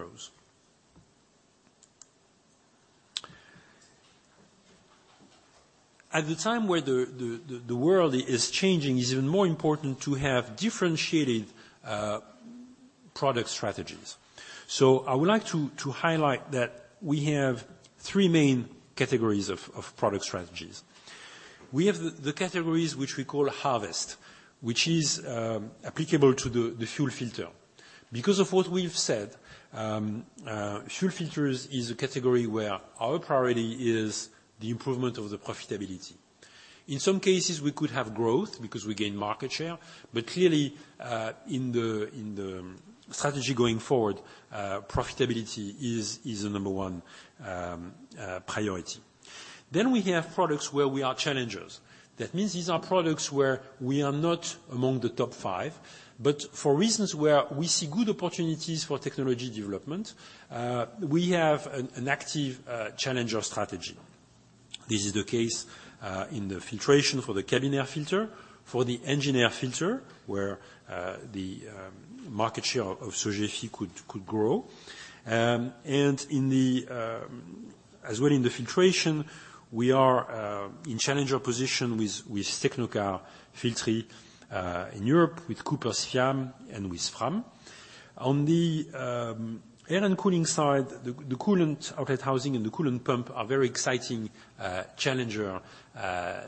At the time where the world is changing, it's even more important to have differentiated product strategies. I would like to highlight that we have three main categories of product strategies. We have the categories which we call harvest, which is applicable to the fuel filter. Because of what we've said, fuel filters is a category where our priority is the improvement of the profitability. In some cases, we could have growth because we gain market share, but clearly, in the strategy going forward profitability is the number one priority. We have products where we are challengers. That means these are products where we are not among the top five, but for reasons where we see good opportunities for technology development, we have an active challenger strategy. This is the case in the filtration for the cabin air filter, for the engine air filter, where the market share of Sogefi could grow. As well in the filtration, we are in challenger position with Tecnocar Filtri in Europe, with CoopersFiaam and with Fram. On the air and cooling side, the coolant outlet housing and the coolant pump are very exciting challenger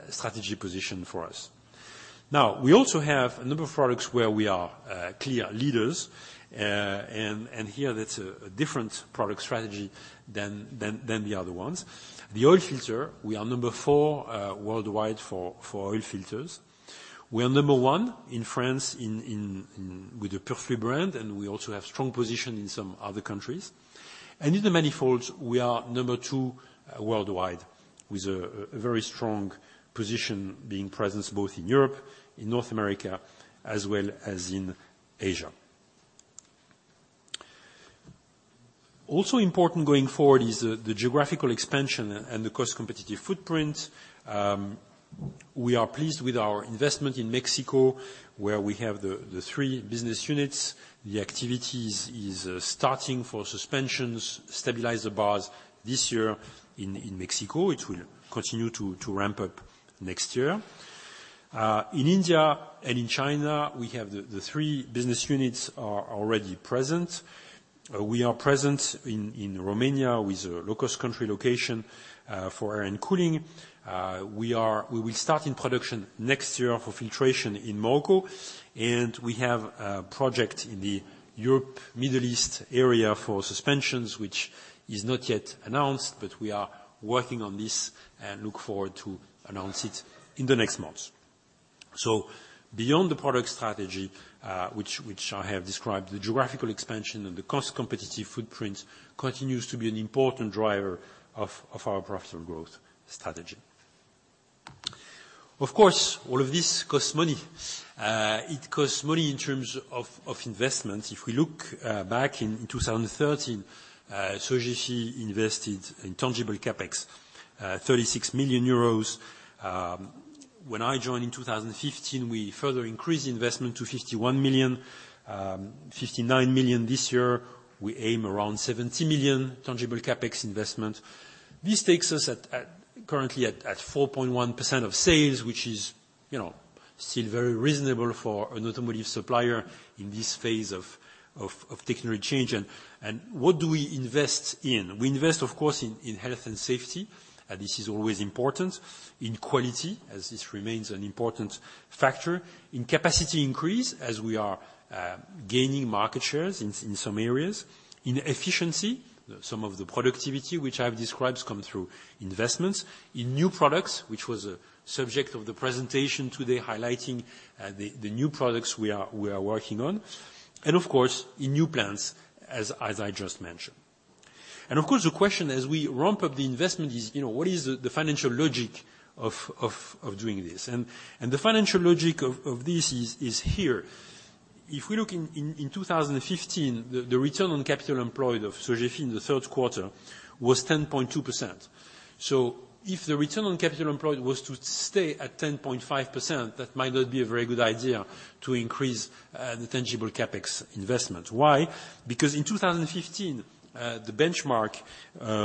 strategy position for us. We also have a number of products where we are clear leaders, and here that's a different product strategy than the other ones. The oil filter, we are number four worldwide for oil filters. We are number one in France with the Purflux brand, and we also have strong position in some other countries. In the manifolds, we are number two worldwide with a very strong position being present both in Europe, in North America, as well as in Asia. Also important going forward is the geographical expansion and the cost-competitive footprint. We are pleased with our investment in Mexico, where we have the three business units. The activity is starting for suspensions stabilizer bars this year in Mexico. It will continue to ramp up next year. In India and in China, we have the three business units are already present. We are present in Romania with a low-cost country location for air and cooling. We will start in production next year for filtration in Morocco, and we have a project in the Europe, Middle East area for suspensions, which is not yet announced, but we are working on this and look forward to announce it in the next months. Beyond the product strategy, which I have described, the geographical expansion and the cost-competitive footprint continues to be an important driver of our profitable growth strategy. Of course, all of this costs money. It costs money in terms of investment. If we look back in 2013, Sogefi invested in tangible CapEx 36 million euros. When I joined in 2015, we further increased the investment to 59 million this year. We aim around 70 million tangible CapEx investment. This takes us currently at 4.1% of sales, which is still very reasonable for an automotive supplier in this phase of technology change. What do we invest in? We invest, of course, in health and safety, this is always important, in quality, as this remains an important factor, in capacity increase, as we are gaining market shares in some areas, in efficiency, some of the productivity which I've described come through investments, in new products, which was a subject of the presentation today highlighting the new products we are working on, and of course, in new plants, as I just mentioned. Of course, the question as we ramp up the investment is, what is the financial logic of doing this? The financial logic of this is here. If we look in 2015, the return on capital employed of Sogefi in the third quarter was 10.2%. If the return on capital employed was to stay at 10.5%, that might not be a very good idea to increase the tangible CapEx investment. Why? In 2015, the benchmark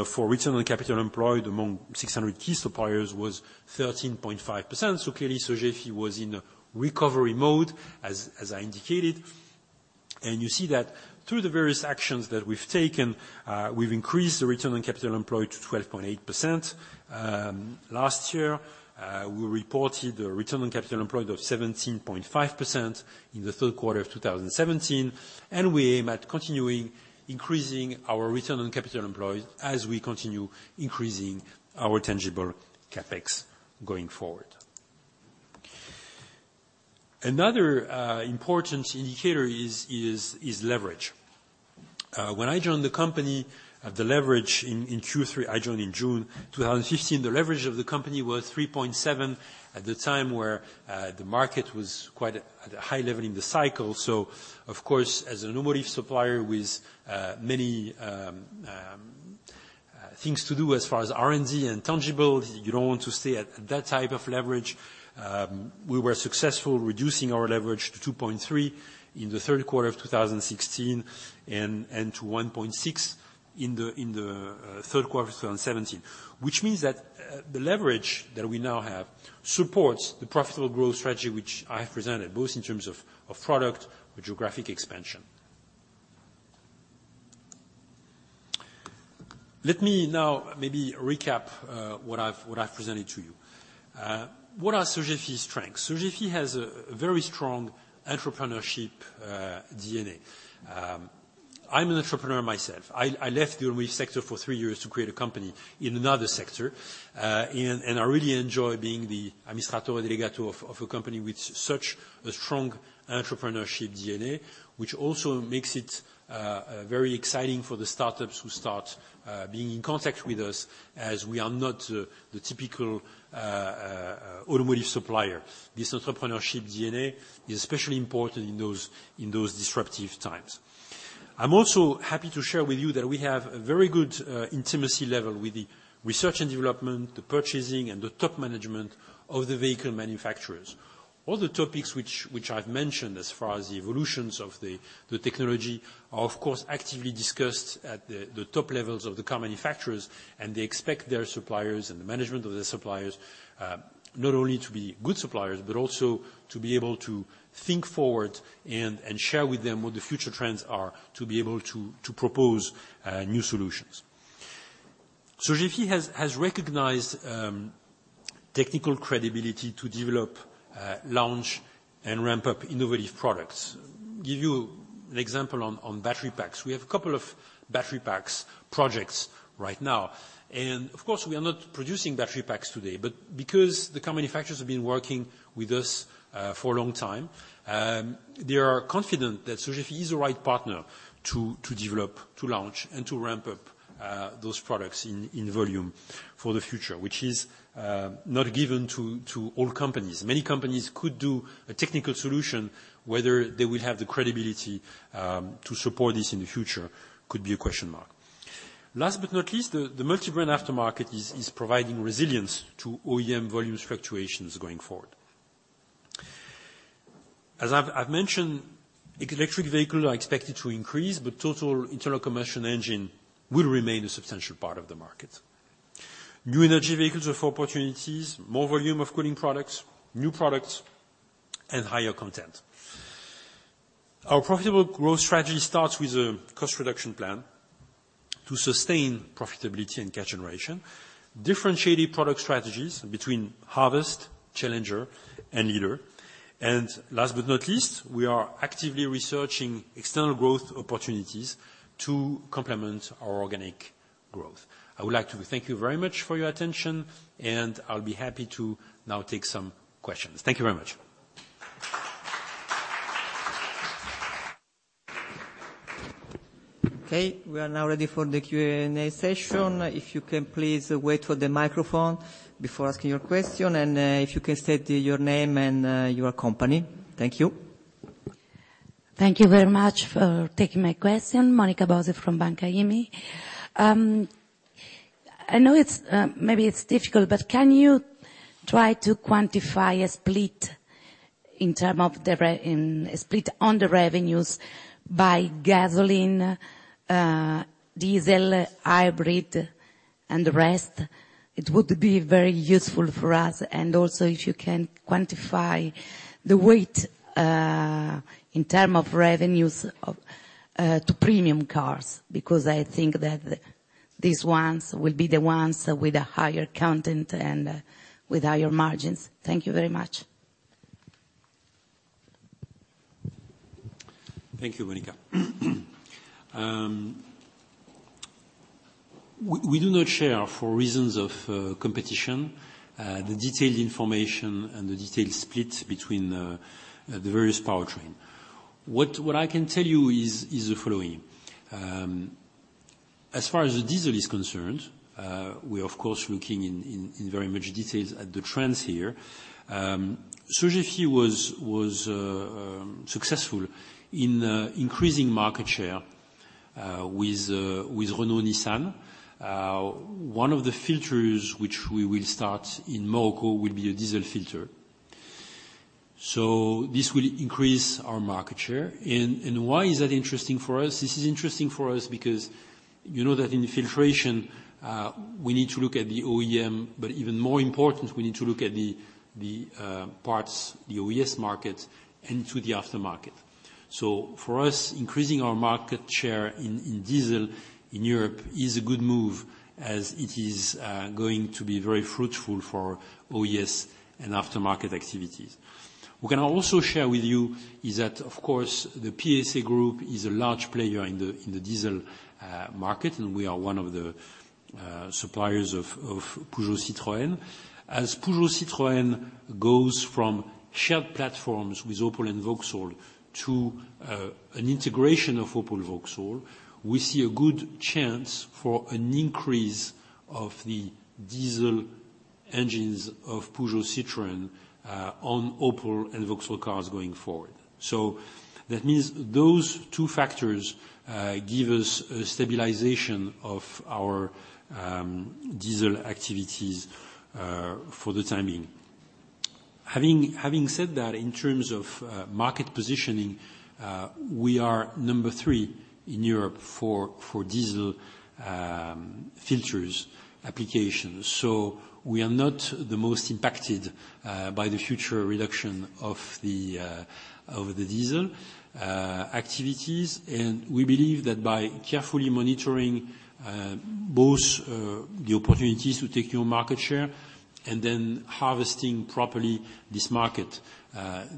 for return on capital employed among 600 key suppliers was 13.5%. Clearly, Sogefi was in recovery mode, as I indicated. You see that through the various actions that we've taken, we've increased the return on capital employed to 12.8%. Last year, we reported a return on capital employed of 17.5% in the third quarter of 2017, we aim at continuing increasing our return on capital employed as we continue increasing our tangible CapEx going forward. Another important indicator is leverage. When I joined the company at the leverage in Q3, I joined in June 2015, the leverage of the company was 3.7 at the time where the market was quite at a high level in the cycle. Of course, as an automotive supplier with many things to do as far as R&D and tangible. You don't want to stay at that type of leverage. We were successful reducing our leverage to 2.3 in the third quarter of 2016 and to 1.6 in the third quarter of 2017. Which means that the leverage that we now have supports the profitable growth strategy which I have presented, both in terms of product or geographic expansion. Let me now maybe recap what I've presented to you. What are Sogefi's strengths? Sogefi has a very strong entrepreneurship DNA. I'm an entrepreneur myself. I left the automotive sector for three years to create a company in another sector. I really enjoy being the amministratore delegato of a company with such a strong entrepreneurship DNA, which also makes it very exciting for the startups who start being in contact with us, as we are not the typical automotive supplier. This entrepreneurship DNA is especially important in those disruptive times. I'm also happy to share with you that we have a very good intimacy level with the research and development, the purchasing, and the top management of the vehicle manufacturers. All the topics which I've mentioned as far as the evolutions of the technology are, of course, actively discussed at the top levels of the car manufacturers, and they expect their suppliers and the management of their suppliers not only to be good suppliers but also to be able to think forward and share with them what the future trends are to be able to propose new solutions. Sogefi has recognized technical credibility to develop, launch, and ramp up innovative products. Give you an example on battery packs. We have a couple of battery packs projects right now. Of course, we are not producing battery packs today, but because the car manufacturers have been working with us for a long time, they are confident that Sogefi is the right partner to develop, to launch, and to ramp up those products in volume for the future. Which is not a given to all companies. Many companies could do a technical solution, whether they will have the credibility to support this in the future could be a question mark. Last but not least, the multi-brand aftermarket is providing resilience to OEM volume fluctuations going forward. As I've mentioned, electric vehicles are expected to increase, but total internal combustion engine will remain a substantial part of the market. New energy vehicles offer opportunities, more volume of cooling products, new products, and higher content. Our profitable growth strategy starts with a cost reduction plan to sustain profitability and cash generation, differentiating product strategies between harvest, challenger, and leader. Last but not least, we are actively researching external growth opportunities to complement our organic growth. I would like to thank you very much for your attention, and I'll be happy to now take some questions. Thank you very much. Okay. We are now ready for the Q&A session. If you can please wait for the microphone before asking your question, and if you can state your name and your company. Thank you. Thank you very much for taking my question. Monica Bosio from Banca IMI. I know maybe it's difficult, but can you try to quantify a split on the revenues by gasoline, diesel, hybrid, and the rest? It would be very useful for us. Also, if you can quantify the weight, in term of revenues to premium cars, because I think that these ones will be the ones with a higher content and with higher margins. Thank you very much. Thank you, Monica. We do not share, for reasons of competition, the detailed information and the detailed split between the various powertrain. What I can tell you is the following. As far as the diesel is concerned, we're of course looking in very much details at the trends here. Sogefi was successful in increasing market share with Renault Nissan. One of the filters which we will start in Morocco will be a diesel filter. This will increase our market share. Why is that interesting for us? This is interesting for us because you know that in the filtration, we need to look at the OEM, but even more important, we need to look at the parts, the OES market into the aftermarket. For us, increasing our market share in diesel in Europe is a good move as it is going to be very fruitful for OES and aftermarket activities. We can also share with you is that, of course, the PSA Group is a large player in the diesel market, and we are one of the suppliers of Peugeot Citroën. As Peugeot Citroën goes from shared platforms with Opel and Vauxhall to an integration of Opel Vauxhall, we see a good chance for an increase of the diesel engines of Peugeot Citroën on Opel and Vauxhall cars going forward. That means those two factors give us a stabilization of our diesel activities for the time being. Having said that, in terms of market positioning, we are number 3 in Europe for diesel filters applications. We are not the most impacted by the future reduction of the diesel activities. We believe that by carefully monitoring both the opportunities to take new market share and then harvesting properly this market,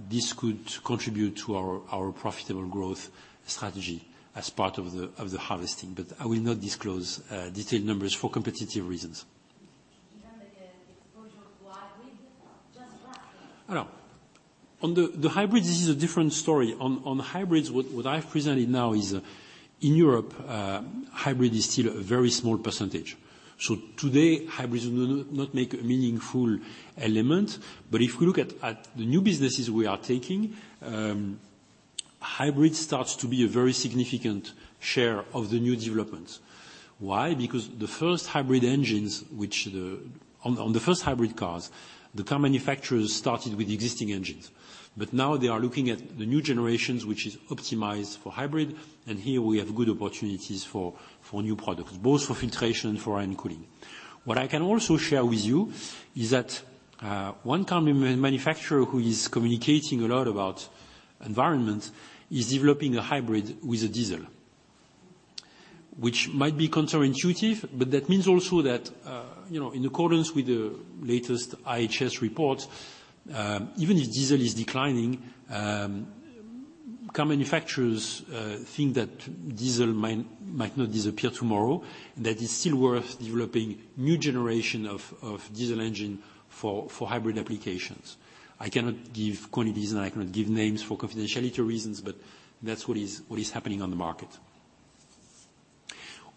this could contribute to our profitable growth strategy as part of the harvesting. I will not disclose detailed numbers for competitive reasons. Given the exposure to hybrid, just roughly. On the hybrids, this is a different story. On hybrids, what I've presented now is, in Europe hybrid is still a very small percentage. Today, hybrids will not make a meaningful element. If we look at the new businesses we are taking, hybrid starts to be a very significant share of the new developments. Why? Because on the first hybrid cars, the car manufacturers started with existing engines. Now they are looking at the new generations, which is optimized for hybrid. Here we have good opportunities for new products, both for filtration and for air cooling. What I can also share with you is that one car manufacturer who is communicating a lot about environment is developing a hybrid with a diesel, which might be counterintuitive. That means also that in accordance with the latest IHS report, even if diesel is declining, car manufacturers think that diesel might not disappear tomorrow, that it's still worth developing new generation of diesel engine for hybrid applications. I cannot give quantities. I cannot give names for confidentiality reasons. That's what is happening on the market.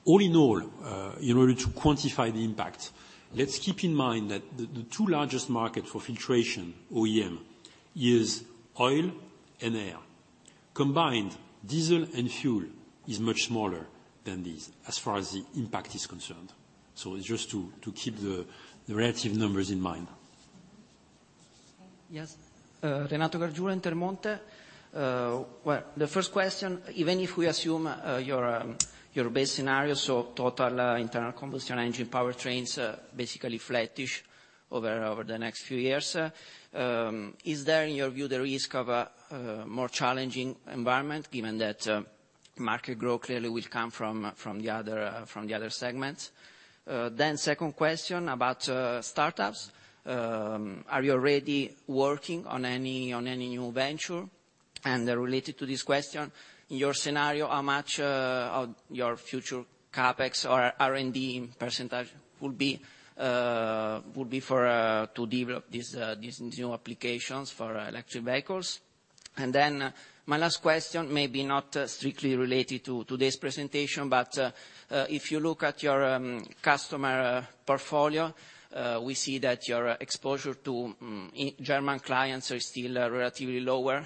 All in all, in order to quantify the impact, let's keep in mind that the two largest market for filtration OEM is oil and air. Combined, diesel and fuel is much smaller than these as far as the impact is concerned. It's just to keep the relative numbers in mind. Yes. Renato Gargiulo, Intermonte. The first question, even if we assume your base scenario, total internal combustion engine powertrains basically flattish over the next few years, is there in your view the risk of a more challenging environment given that market growth clearly will come from the other segments? Second question about startups. Are you already working on any new venture? Related to this question, in your scenario, how much of your future CapEx or R&D percentage would be to develop these new applications for electric vehicles? My last question, maybe not strictly related to today's presentation, if you look at your customer portfolio, we see that your exposure to German clients are still relatively lower.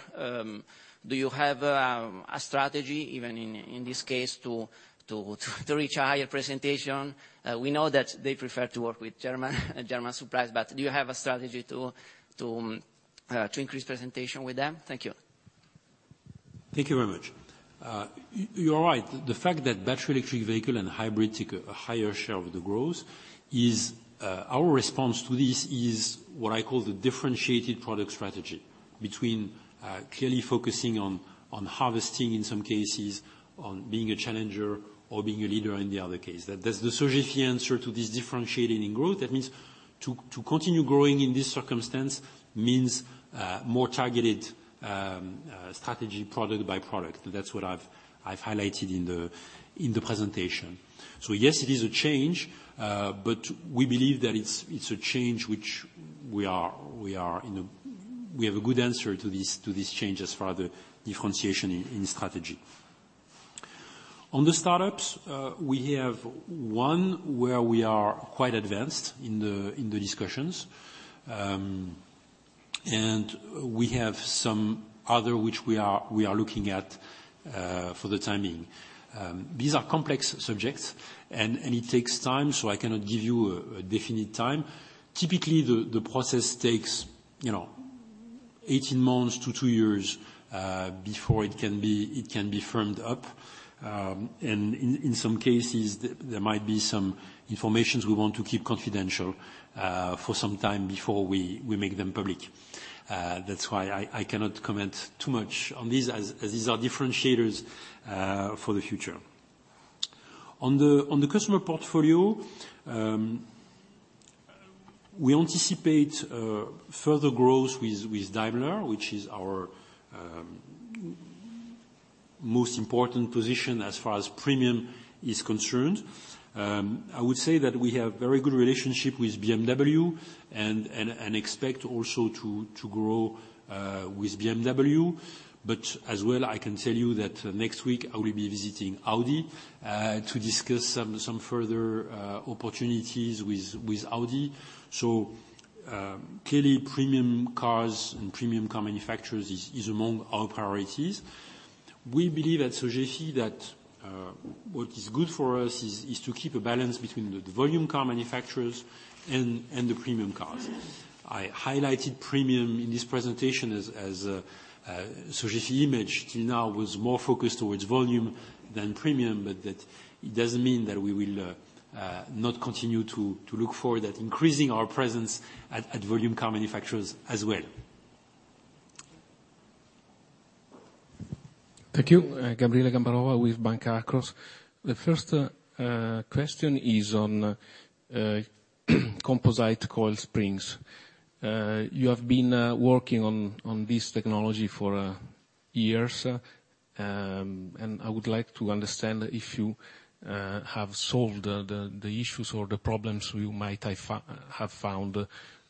Do you have a strategy even in this case to reach a higher penetration? We know that they prefer to work with German suppliers. Do you have a strategy to increase penetration with them? Thank you. Thank you very much. You're right. The fact that battery electric vehicle and hybrid take a higher share of the growth is, our response to this is what I call the differentiated product strategy between clearly focusing on harvesting in some cases, on being a challenger or being a leader in the other case. That's the Sogefi answer to this differentiating growth. That means to continue growing in this circumstance means more targeted strategy product by product. That's what I've highlighted in the presentation. Yes, it is a change, but we believe that it's a change which we have a good answer to this change as far the differentiation in strategy. On the startups, we have one where we are quite advanced in the discussions. We have some other which we are looking at for the time being. These are complex subjects and it takes time, I cannot give you a definite time. Typically, the process takes 18 months to two years before it can be firmed up. In some cases, there might be some informations we want to keep confidential for some time before we make them public. That's why I cannot comment too much on these, as these are differentiators for the future. On the customer portfolio, we anticipate further growth with Daimler, which is our most important position as far as premium is concerned. I would say that we have very good relationship with BMW. We expect also to grow with BMW. As well, I can tell you that next week I will be visiting Audi to discuss some further opportunities with Audi. Clearly, premium cars and premium car manufacturers is among our priorities. We believe at Sogefi that what is good for us is to keep a balance between the volume car manufacturers and the premium cars. I highlighted premium in this presentation as Sogefi image till now was more focused towards volume than premium, that it doesn't mean that we will not continue to look forward at increasing our presence at volume car manufacturers as well. Thank you. Gabriele Gambarova with Banca Akros. The first question is on composite coil springs. You have been working on this technology for years, I would like to understand if you have solved the issues or the problems you might have found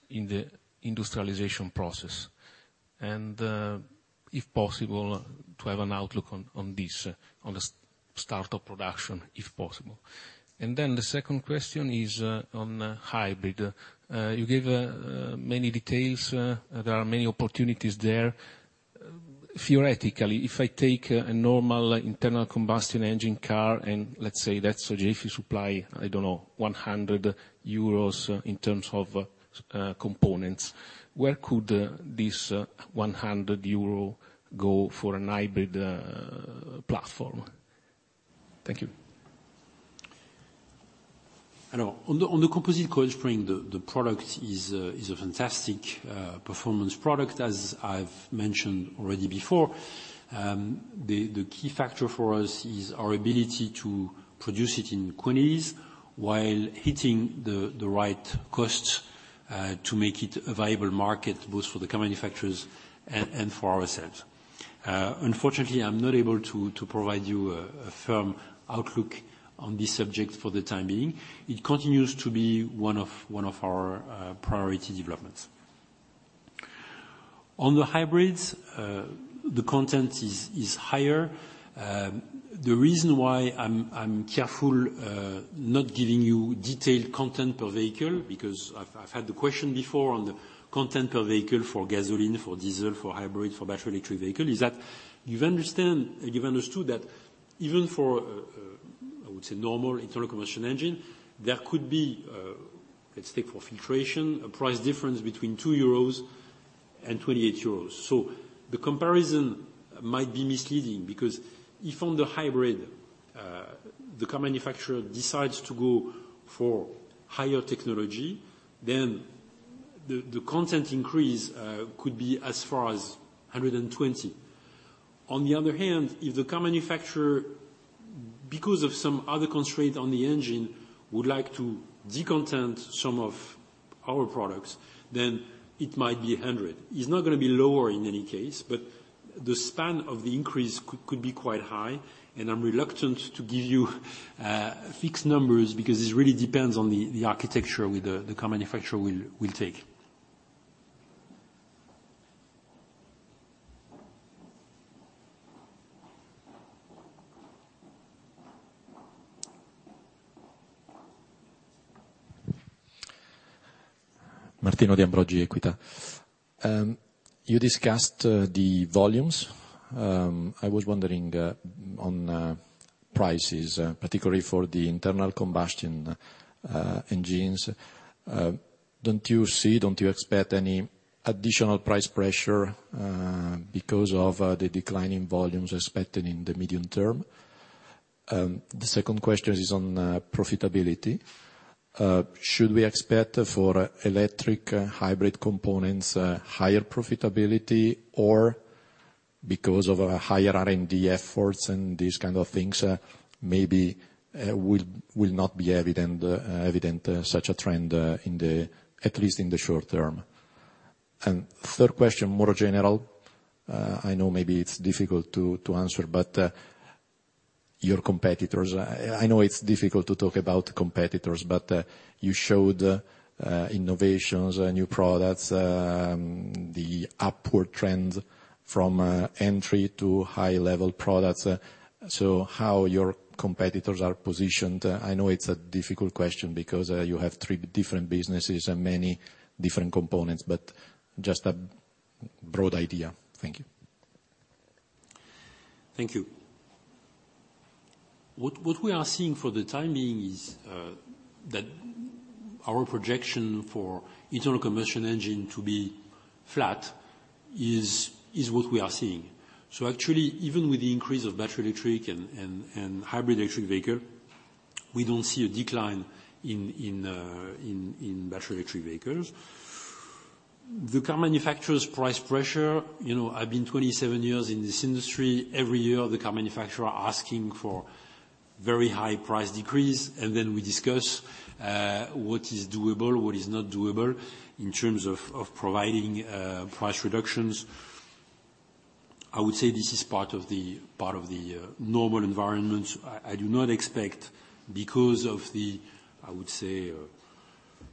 in the industrialization process. If possible, to have an outlook on the start of production, if possible. The second question is on hybrid. You gave many details. There are many opportunities there. Theoretically, if I take a normal internal combustion engine car, and let's say that Sogefi supply, I don't know, 100 euros in terms of components, where could this 100 euro go for an hybrid platform? Thank you. On the composite coil spring, the product is a fantastic performance product, as I have mentioned already before. The key factor for us is our ability to produce it in quantities while hitting the right costs to make it a viable market, both for the car manufacturers and for ourselves. Unfortunately, I am not able to provide you a firm outlook on this subject for the time being. It continues to be one of our priority developments. On the hybrids, the content is higher. The reason why I am careful not giving you detailed content per vehicle, because I have had the question before on the content per vehicle for gasoline, for diesel, for hybrid, for battery electric vehicle, is that you have understood that even for, I would say, normal internal combustion engine, there could be, let's take for filtration, a price difference between 2 euros and 28 euros. The comparison might be misleading, because if on the hybrid, the car manufacturer decides to go for higher technology, then the content increase could be as far as 120. On the other hand, if the car manufacturer, because of some other constraint on the engine, would like to decontent some of our products, then it might be 100. It is not going to be lower in any case, but the span of the increase could be quite high. I am reluctant to give you fixed numbers because this really depends on the architecture the car manufacturer will take. Martino De Ambroggi, Equita. You discussed the volumes. I was wondering on prices, particularly for the internal combustion engines. Do not you see, do not you expect any additional price pressure because of the decline in volumes expected in the medium term? The second question is on profitability. Should we expect for electric hybrid components higher profitability? Because of higher R&D efforts and these kind of things, maybe will not be evident such a trend at least in the short term? Third question, more general. I know maybe it is difficult to answer, but your competitors. I know it is difficult to talk about competitors, but you showed innovations, new products, the upward trend from entry to high-level products. How your competitors are positioned? I know it is a difficult question because you have three different businesses and many different components, but just a broad idea. Thank you. Thank you. What we are seeing for the time being is that our projection for internal combustion engine to be flat is what we are seeing. Actually, even with the increase of battery electric and hybrid electric vehicle, we do not see a decline in battery electric vehicles. The car manufacturer's price pressure, I have been 27 years in this industry. Every year, the car manufacturer are asking for very high price decrease, then we discuss what is doable, what is not doable in terms of providing price reductions. I would say this is part of the normal environment. I do not expect because of the, I would say,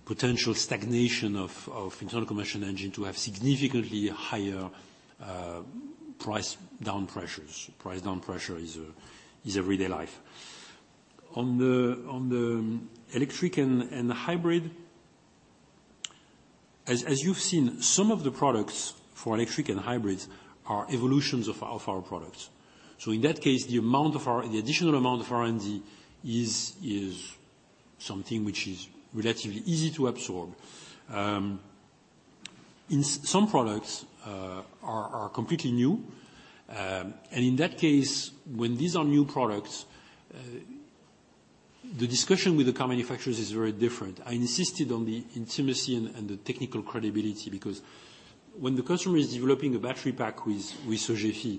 potential stagnation of internal combustion engine to have significantly higher price down pressures. Price down pressure is everyday life. On the electric and hybrid, as you have seen, some of the products for electric and hybrids are evolutions of our products. In that case, the additional amount of R&D is something which is relatively easy to absorb. Some products are completely new, in that case, when these are new products, the discussion with the car manufacturers is very different. I insisted on the intimacy and the technical credibility because when the customer is developing a battery pack with Sogefi,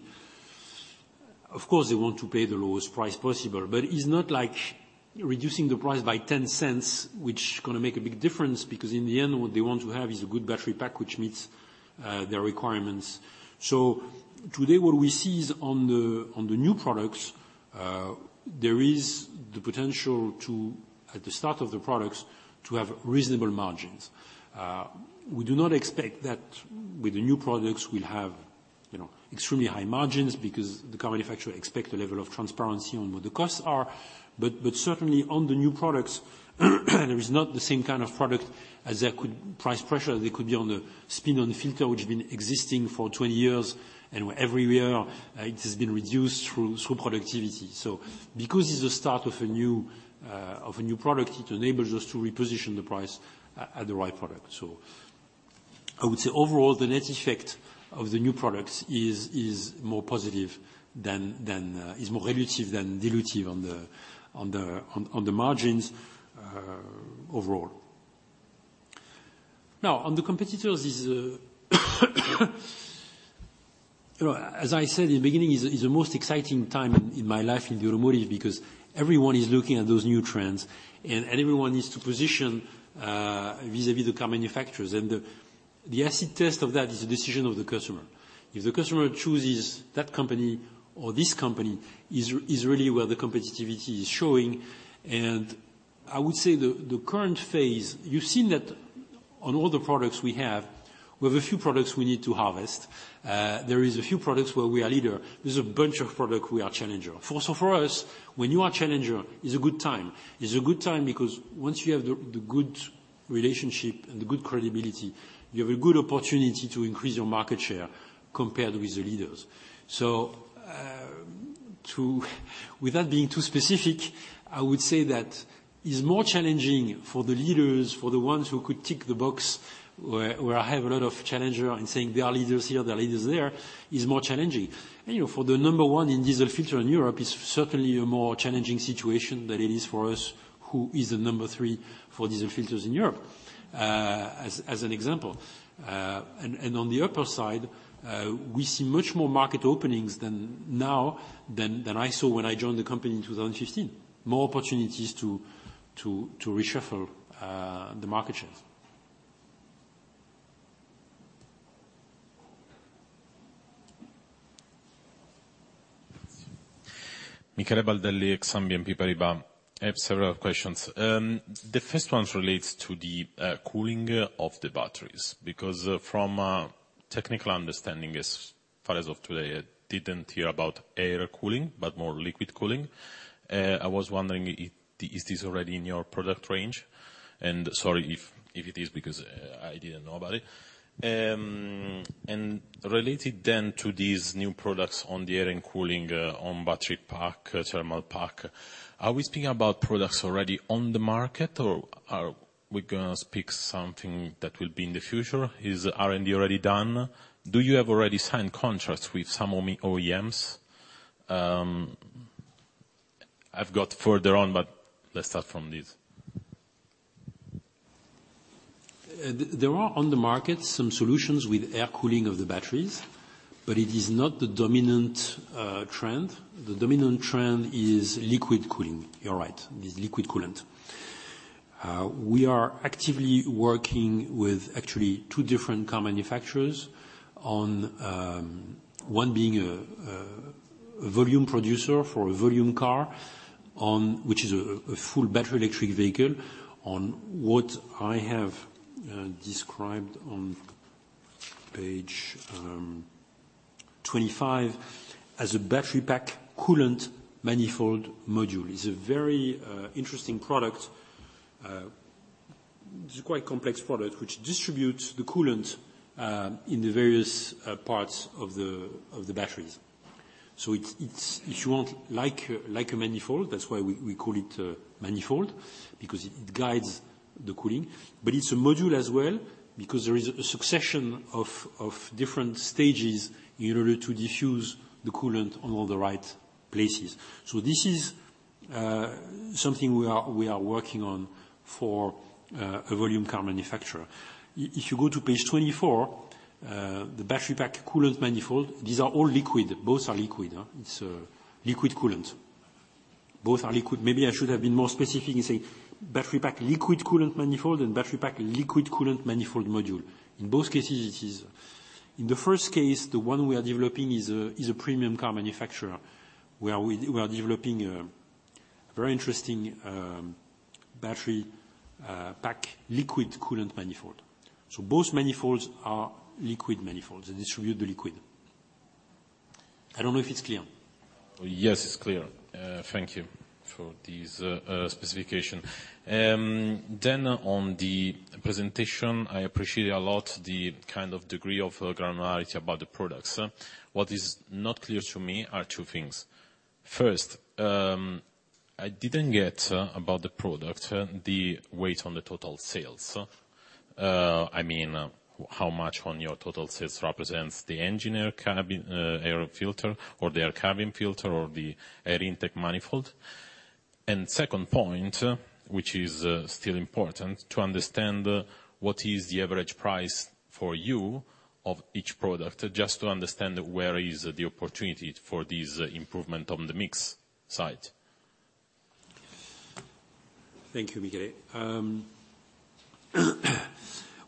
of course, they want to pay the lowest price possible. It's not like reducing the price by 0.10, which is going to make a big difference, because in the end, what they want to have is a good battery pack which meets their requirements. Today, what we see on the new products, there is the potential to, at the start of the products, to have reasonable margins. We do not expect that with the new products, we'll have extremely high margins because the car manufacturer expects a level of transparency on what the costs are. Certainly on the new products, there is not the same kind of product as there could price pressure there could be on the spin-on filter, which has been existing for 20 years, and where every year it has been reduced through productivity. Because it's the start of a new product, it enables us to reposition the price at the right product. I would say overall, the net effect of the new products is more positive than, is more relative than dilutive on the margins overall. On the competitors is as I said in the beginning, is the most exciting time in my life in Euro Motorcars because everyone is looking at those new trends and everyone needs to position vis-a-vis the car manufacturers. The acid test of that is the decision of the customer. If the customer chooses that company or this company, is really where the competitivity is showing. I would say the current phase, you've seen that on all the products we have, we have a few products we need to harvest. There is a few products where we are leader. There's a bunch of product we are challenger. For us, when you are challenger is a good time. Is a good time because once you have the good relationship and good credibility, you have a good opportunity to increase your market share compared with the leaders. Without being too specific, I would say that it's more challenging for the leaders, for the ones who could tick the box, where I have a lot of challenger and saying there are leaders here, there are leaders there, is more challenging. For the number one in diesel filter in Europe, it's certainly a more challenging situation than it is for us, who is the number three for diesel filters in Europe, as an example. On the upper side, we see much more market openings now than I saw when I joined the company in 2015. More opportunities to reshuffle the market shares. Michele Baldelli, Exane BNP Paribas. I have several questions. The first one relates to the cooling of the batteries because from a technical understanding as far as of today, I did not hear about air cooling, but more liquid cooling. I was wondering, is this already in your product range? Sorry if it is because I did not know about it. Related then to these new products on the air and cooling on battery pack, thermal pack, are we speaking about products already on the market or are we going to speak something that will be in the future? Is R&D already done? Do you have already signed contracts with some OEMs? I have got further on, but let us start from this. There are on the market some solutions with air cooling of the batteries, but it is not the dominant trend. The dominant trend is liquid cooling. You are right. It is liquid coolant. We are actively working with actually two different car manufacturers on one being a volume producer for a volume car, which is a full battery electric vehicle on what I have described on page 25 as a battery pack coolant manifold module. It is a very interesting product. It is a quite complex product, which distributes the coolant in the various parts of the batteries. It is, if you want, like a manifold, that is why we call it a manifold because it guides the cooling. It is a module as well because there is a succession of different stages in order to diffuse the coolant on all the right places. This is something we are working on for a volume car manufacturer. If you go to page 24, the battery pack coolant manifold, these are all liquid. Both are liquid. It is liquid coolant. Both are liquid. Maybe I should have been more specific in saying battery pack liquid coolant manifold and battery pack liquid coolant manifold module. In both cases it is. In the first case, the one we are developing is a premium car manufacturer where we are developing a very interesting battery pack liquid coolant manifold. Both manifolds are liquid manifolds. They distribute the liquid. I do not know if it is clear. Yes, it is clear. Thank you for this specification. On the presentation, I appreciate a lot the kind of degree of granularity about the products. What is not clear to me are two things. First, I did not get about the product, the weight on the total sales. I mean, how much on your total sales represents the engine air cabin air filter or the air cabin filter or the air intake manifold. Second point, which is still important to understand what is the average price for you of each product, just to understand where is the opportunity for this improvement on the mix side. Thank you, Michele.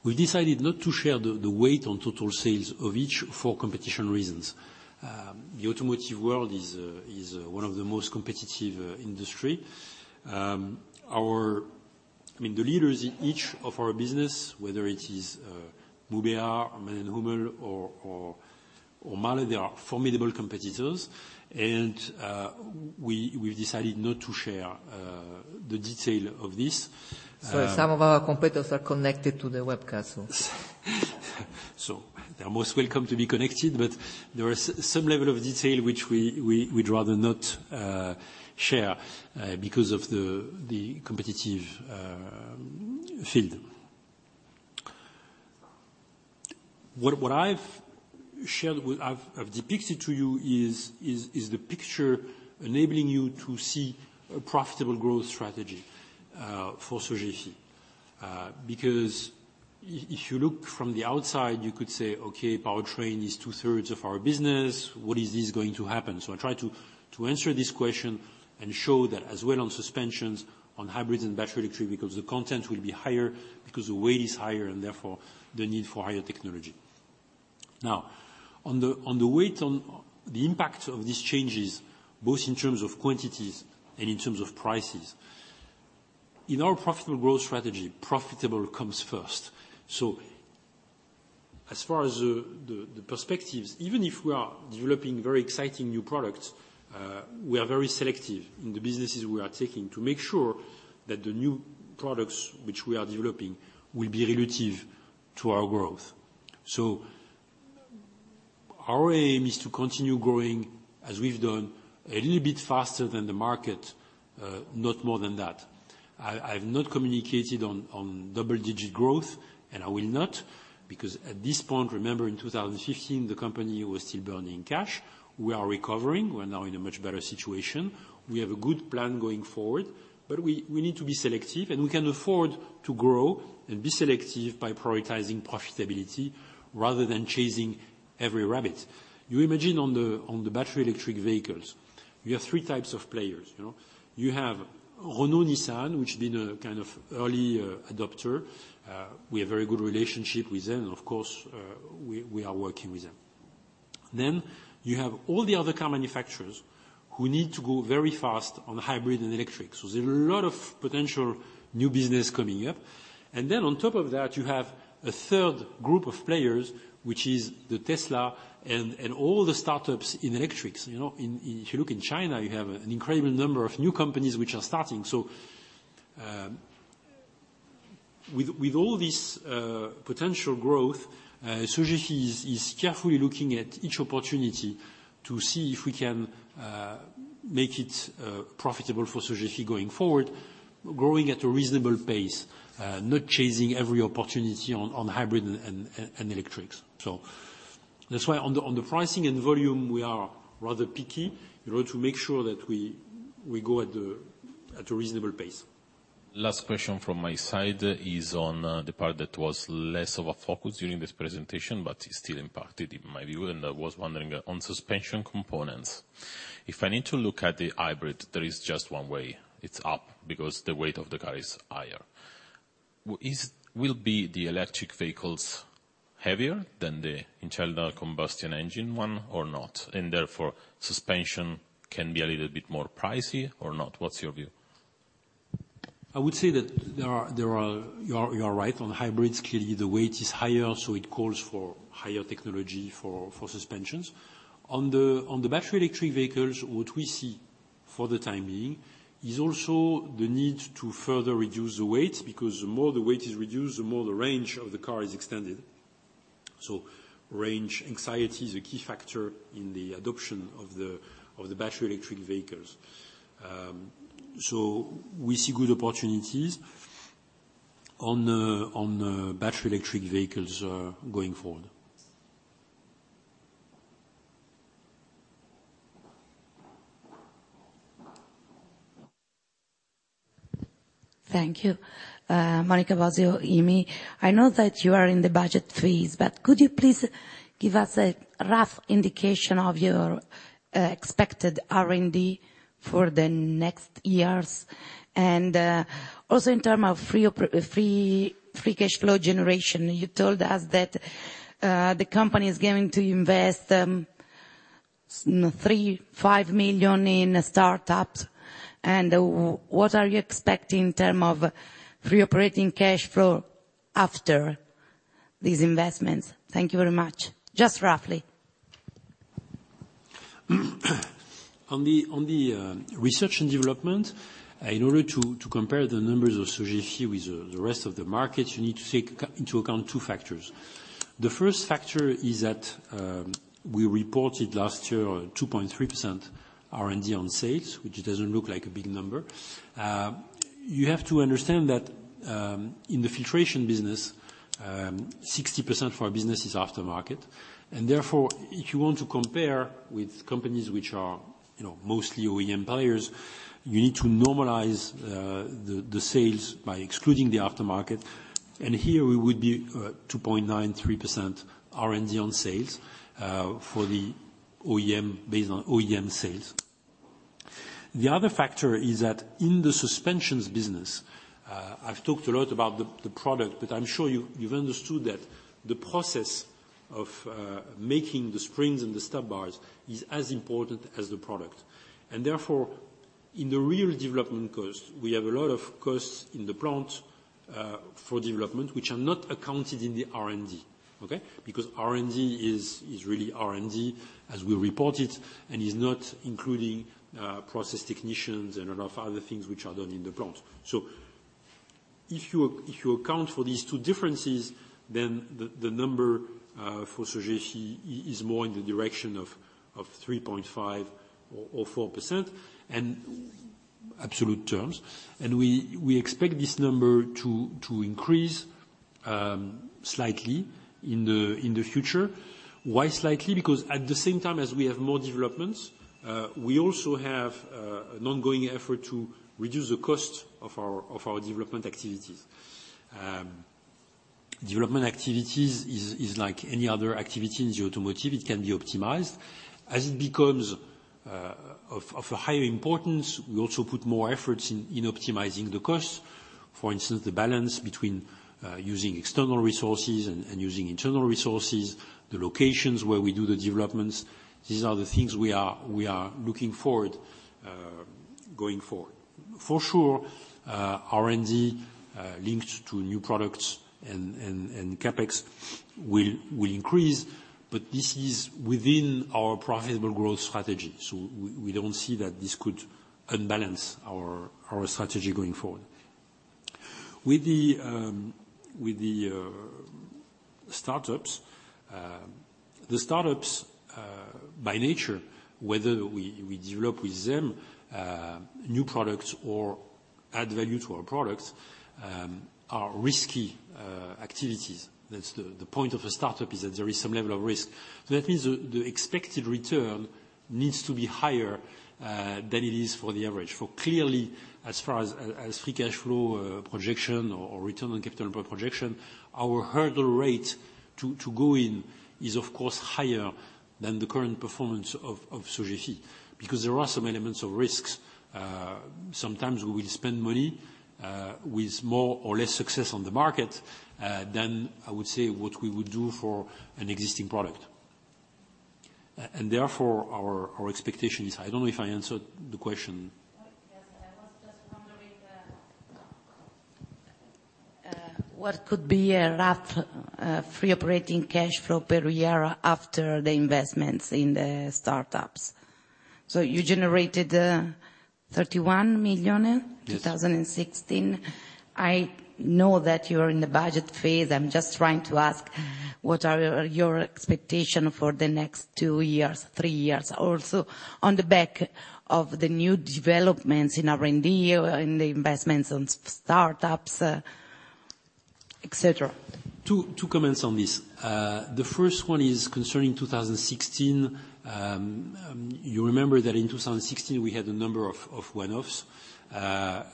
We decided not to share the weight on total sales of each for competition reasons. The automotive world is one of the most competitive industry. The leaders in each of our business, whether it is Mubea, Mann+Hummel, or Mahle, they are formidable competitors. We've decided not to share the detail of this. Sorry, some of our competitors are connected to the webcast. They're most welcome to be connected, there are some level of detail which we'd rather not share, because of the competitive field. I've depicted to you is the picture enabling you to see a profitable growth strategy for Sogefi. If you look from the outside, you could say, "Okay, powertrain is two-thirds of our business. What is this going to happen?" I try to answer this question and show that as well on suspensions on hybrids and battery electric, because the content will be higher because the weight is higher, and therefore the need for higher technology. On the weight, on the impact of these changes, both in terms of quantities and in terms of prices. In our profitable growth strategy, profitable comes first. As far as the perspectives, even if we are developing very exciting new products, we are very selective in the businesses we are taking to make sure that the new products which we are developing will be relative to our growth. Our aim is to continue growing as we've done a little bit faster than the market, not more than that. I've not communicated on double-digit growth, I will not because at this point, remember in 2015, the company was still burning cash. We are recovering. We are now in a much better situation. We have a good plan going forward, we need to be selective and we can afford to grow and be selective by prioritizing profitability rather than chasing every rabbit. You imagine on the battery electric vehicles, you have 3 types of players. Renault Nissan, which has been a kind of early adopter. We have very good relationship with them and of course, we are working with them. You have all the other car manufacturers who need to go very fast on hybrid and electric. There's a lot of potential new business coming up. On top of that, you have a third group of players, which is the Tesla and all the startups in electrics. If you look in China, you have an incredible number of new companies which are starting. With all this potential growth, Sogefi is carefully looking at each opportunity to see if we can make it profitable for Sogefi going forward, growing at a reasonable pace, not chasing every opportunity on hybrid and electrics. That's why on the pricing and volume, we are rather picky in order to make sure that we go at a reasonable pace. Last question from my side is on the part that was less of a focus during this presentation, but still impacted in my view, and I was wondering on suspension components, if I need to look at the hybrid, there is just one way, it's up because the weight of the car is higher. Will be the electric vehicles heavier than the internal combustion engine one or not? Therefore suspension can be a little bit more pricey or not? What's your view? You are right on hybrids. Clearly the weight is higher, so it calls for higher technology for suspensions. On the battery electric vehicles, what we see for the time being is also the need to further reduce the weight, because the more the weight is reduced, the more the range of the car is extended. Range anxiety is a key factor in the adoption of the battery electric vehicles. We see good opportunities on battery electric vehicles going forward. Thank you. Monica Bosio, Intesa Sanpaolo. I know that you are in the budget freeze, could you please give us a rough indication of your expected R&D for the next years? Also in term of free cash flow generation, you told us that the company is going to invest 3.5 million in startups. What are you expecting in term of free operating cash flow after these investments? Thank you very much. Just roughly. On the research and development, in order to compare the numbers of Sogefi with the rest of the market, you need to take into account two factors. The first factor is that we reported last year a 2.3% R&D on sales, which doesn't look like a big number. You have to understand that in the filtration business, 60% for our business is aftermarket. Therefore, if you want to compare with companies which are mostly OEM players, you need to normalize the sales by excluding the aftermarket. Here we would be 2.93% R&D on sales for the OEM, based on OEM sales. The other factor is that in the suspensions business, I've talked a lot about the product, I'm sure you've understood that the process of making the springs and the stub bars is as important as the product. Therefore, in the real development cost, we have a lot of costs in the plant for development, which are not accounted in the R&D. Okay. Because R&D is really R&D as we report it, and is not including process technicians and a lot of other things which are done in the plant. If you account for these two differences, then the number for Sogefi is more in the direction of 3.5% or 4%, in absolute terms. We expect this number to increase slightly in the future. Why slightly? Because at the same time as we have more developments, we also have an ongoing effort to reduce the cost of our development activities. Development activities is like any other activity in the automotive, it can be optimized. As it becomes of a higher importance, we also put more efforts in optimizing the cost. For instance, the balance between using external resources and using internal resources, the locations where we do the developments, these are the things we are looking forward, going forward. For sure, R&D linked to new products and CapEx will increase, this is within our profitable growth strategy. We don't see that this could unbalance our strategy going forward. With the startups. The startups, by nature, whether we develop with them new products or add value to our products, are risky activities. That's the point of a startup, is that there is some level of risk. That means the expected return needs to be higher than it is for the average. For clearly, as far as free cash flow projection or return on capital projection, our hurdle rate to go in is, of course, higher than the current performance of Sogefi, because there are some elements of risks. Sometimes we will spend money with more or less success on the market than, I would say, what we would do for an existing product. Therefore, our expectation is I don't know if I answered the question. Yes. I was just wondering what could be a rough free operating cash flow per year after the investments in the startups. You generated 31 million in- Yes 2016. I know that you're in the budget phase, I'm just trying to ask, what are your expectation for the next two years, three years? Also, on the back of the new developments in R&D, or in the investments on startups, et cetera. Two comments on this. The first one is concerning 2016. You remember that in 2016 we had a number of one-offs,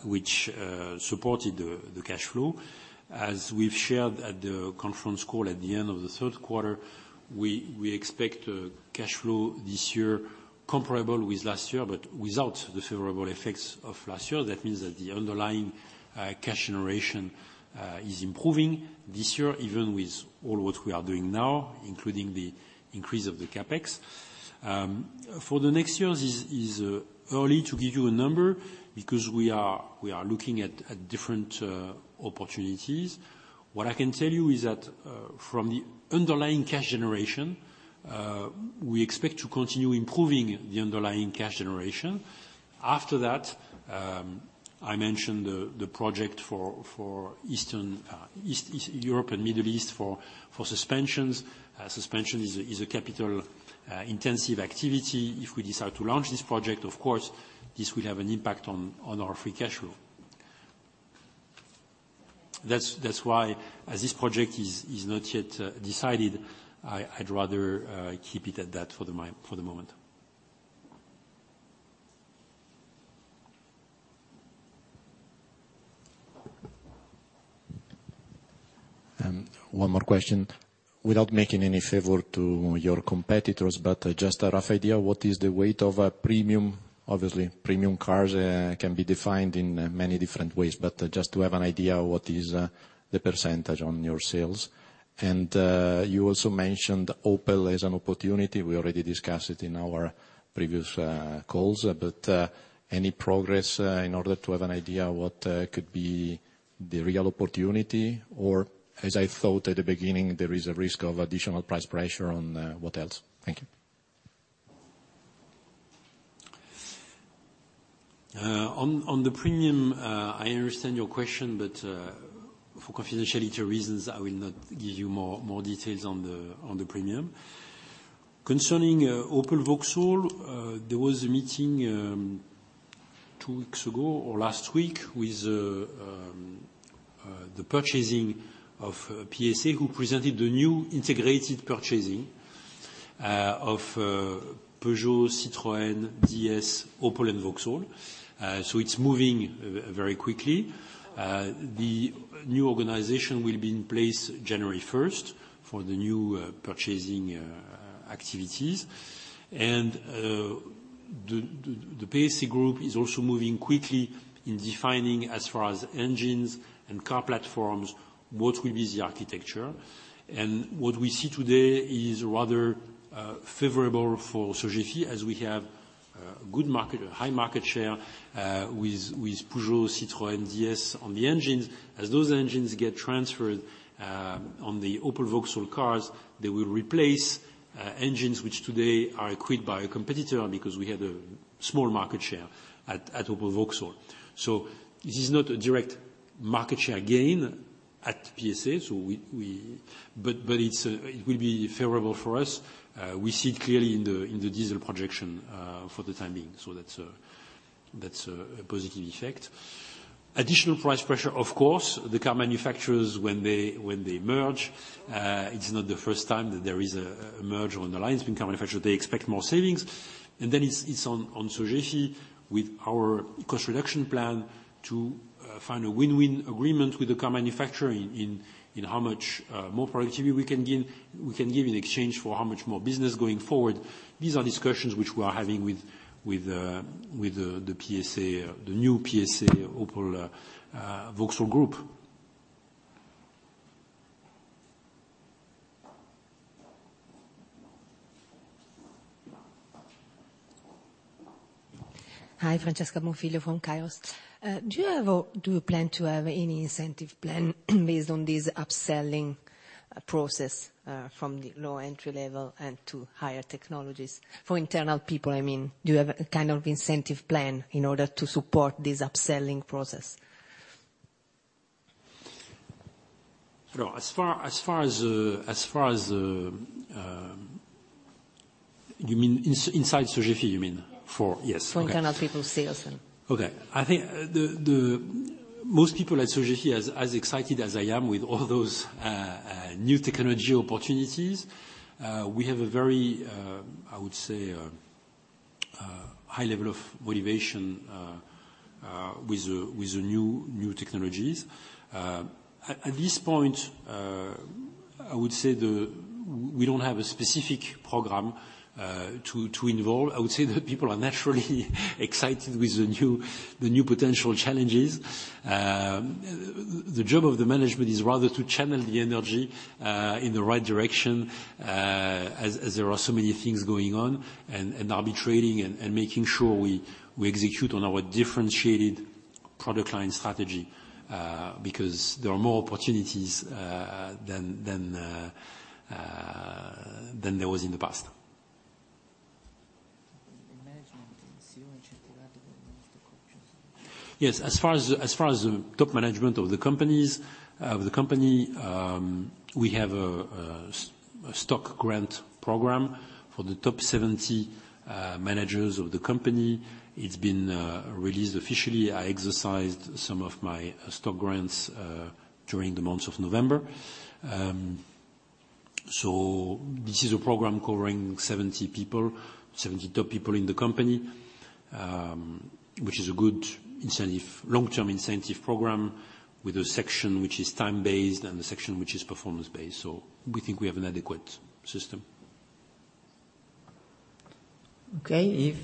which supported the cash flow. As we've shared at the conference call at the end of the third quarter, we expect cash flow this year comparable with last year, but without the favorable effects of last year. That means that the underlying cash generation is improving this year, even with all what we are doing now, including the increase of the CapEx. For the next years, it is early to give you a number because we are looking at different opportunities. What I can tell you is that from the underlying cash generation, we expect to continue improving the underlying cash generation. After that, I mentioned the project for East Europe and Middle East for suspensions. Suspension is a capital-intensive activity. If we decide to launch this project, of course, this will have an impact on our free cash flow. As this project is not yet decided, I'd rather keep it at that for the moment. One more question. Without making any favor to your competitors, but just a rough idea, what is the weight of a premium? Obviously, premium cars can be defined in many different ways, but just to have an idea, what is the percentage on your sales? You also mentioned Opel as an opportunity. We already discussed it in our previous calls. Any progress in order to have an idea what could be the real opportunity? As I thought at the beginning, there is a risk of additional price pressure on what else? Thank you. On the premium, I understand your question, but for confidentiality reasons, I will not give you more details on the premium. Concerning Opel Vauxhall, there was a meeting two weeks ago or last week with the purchasing of PSA, who presented the new integrated purchasing of Peugeot, Citroen, DS, Opel and Vauxhall. It's moving very quickly. The new organization will be in place January 1st for the new purchasing activities. The PSA Group is also moving quickly in defining, as far as engines and car platforms, what will be the architecture. What we see today is rather favorable for Sogefi, as we have a high market share with Peugeot, Citroen, DS on the engines. As those engines get transferred on the Opel Vauxhall cars, they will replace engines which today are equipped by a competitor because we had a small market share at Opel Vauxhall. This is not a direct market share gain at PSA, but it will be favorable for us. We see it clearly in the diesel projection for the time being. That's a positive effect. Additional price pressure, of course, the car manufacturers, when they merge, it's not the first time that there is a merge on the line. It's been car manufacturer. They expect more savings. It's on Sogefi with our cost reduction plan to find a win-win agreement with the car manufacturer in how much more productivity we can give in exchange for how much more business going forward. These are discussions which we are having with the new PSA Opel Vauxhall Group. Hi, Francesca Monfilo from Kairos. Do you plan to have any incentive plan based on this upselling process from the low entry level and to higher technologies for internal people, I mean? Do you have a kind of incentive plan in order to support this upselling process? Inside Sogefi, you mean? Yes. Yes, okay. For internal people, sales and- Okay. I think most people at Sogefi are as excited as I am with all those new technology opportunities. We have a very, I would say, high level of motivation with the new technologies. At this point, I would say that we don't have a specific program to involve. I would say that people are naturally excited with the new potential challenges. The job of the management is rather to channel the energy in the right direction, as there are so many things going on, and arbitrating and making sure we execute on our differentiated product line strategy. There are more opportunities than there was in the past. The management and CEO and chief have the most options. Yes, as far as the top management of the company, we have a stock grant program for the top 70 managers of the company. It's been released officially. I exercised some of my stock grants during the month of November. This is a program covering 70 top people in the company, which is a good long-term incentive program with a section which is time-based and a section which is performance-based. We think we have an adequate system. Okay. If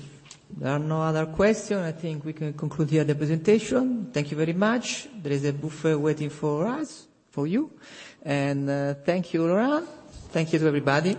there are no other questions, I think we can conclude here the presentation. Thank you very much. There is a buffet waiting for us, for you. Thank you, Laurent. Thank you to everybody.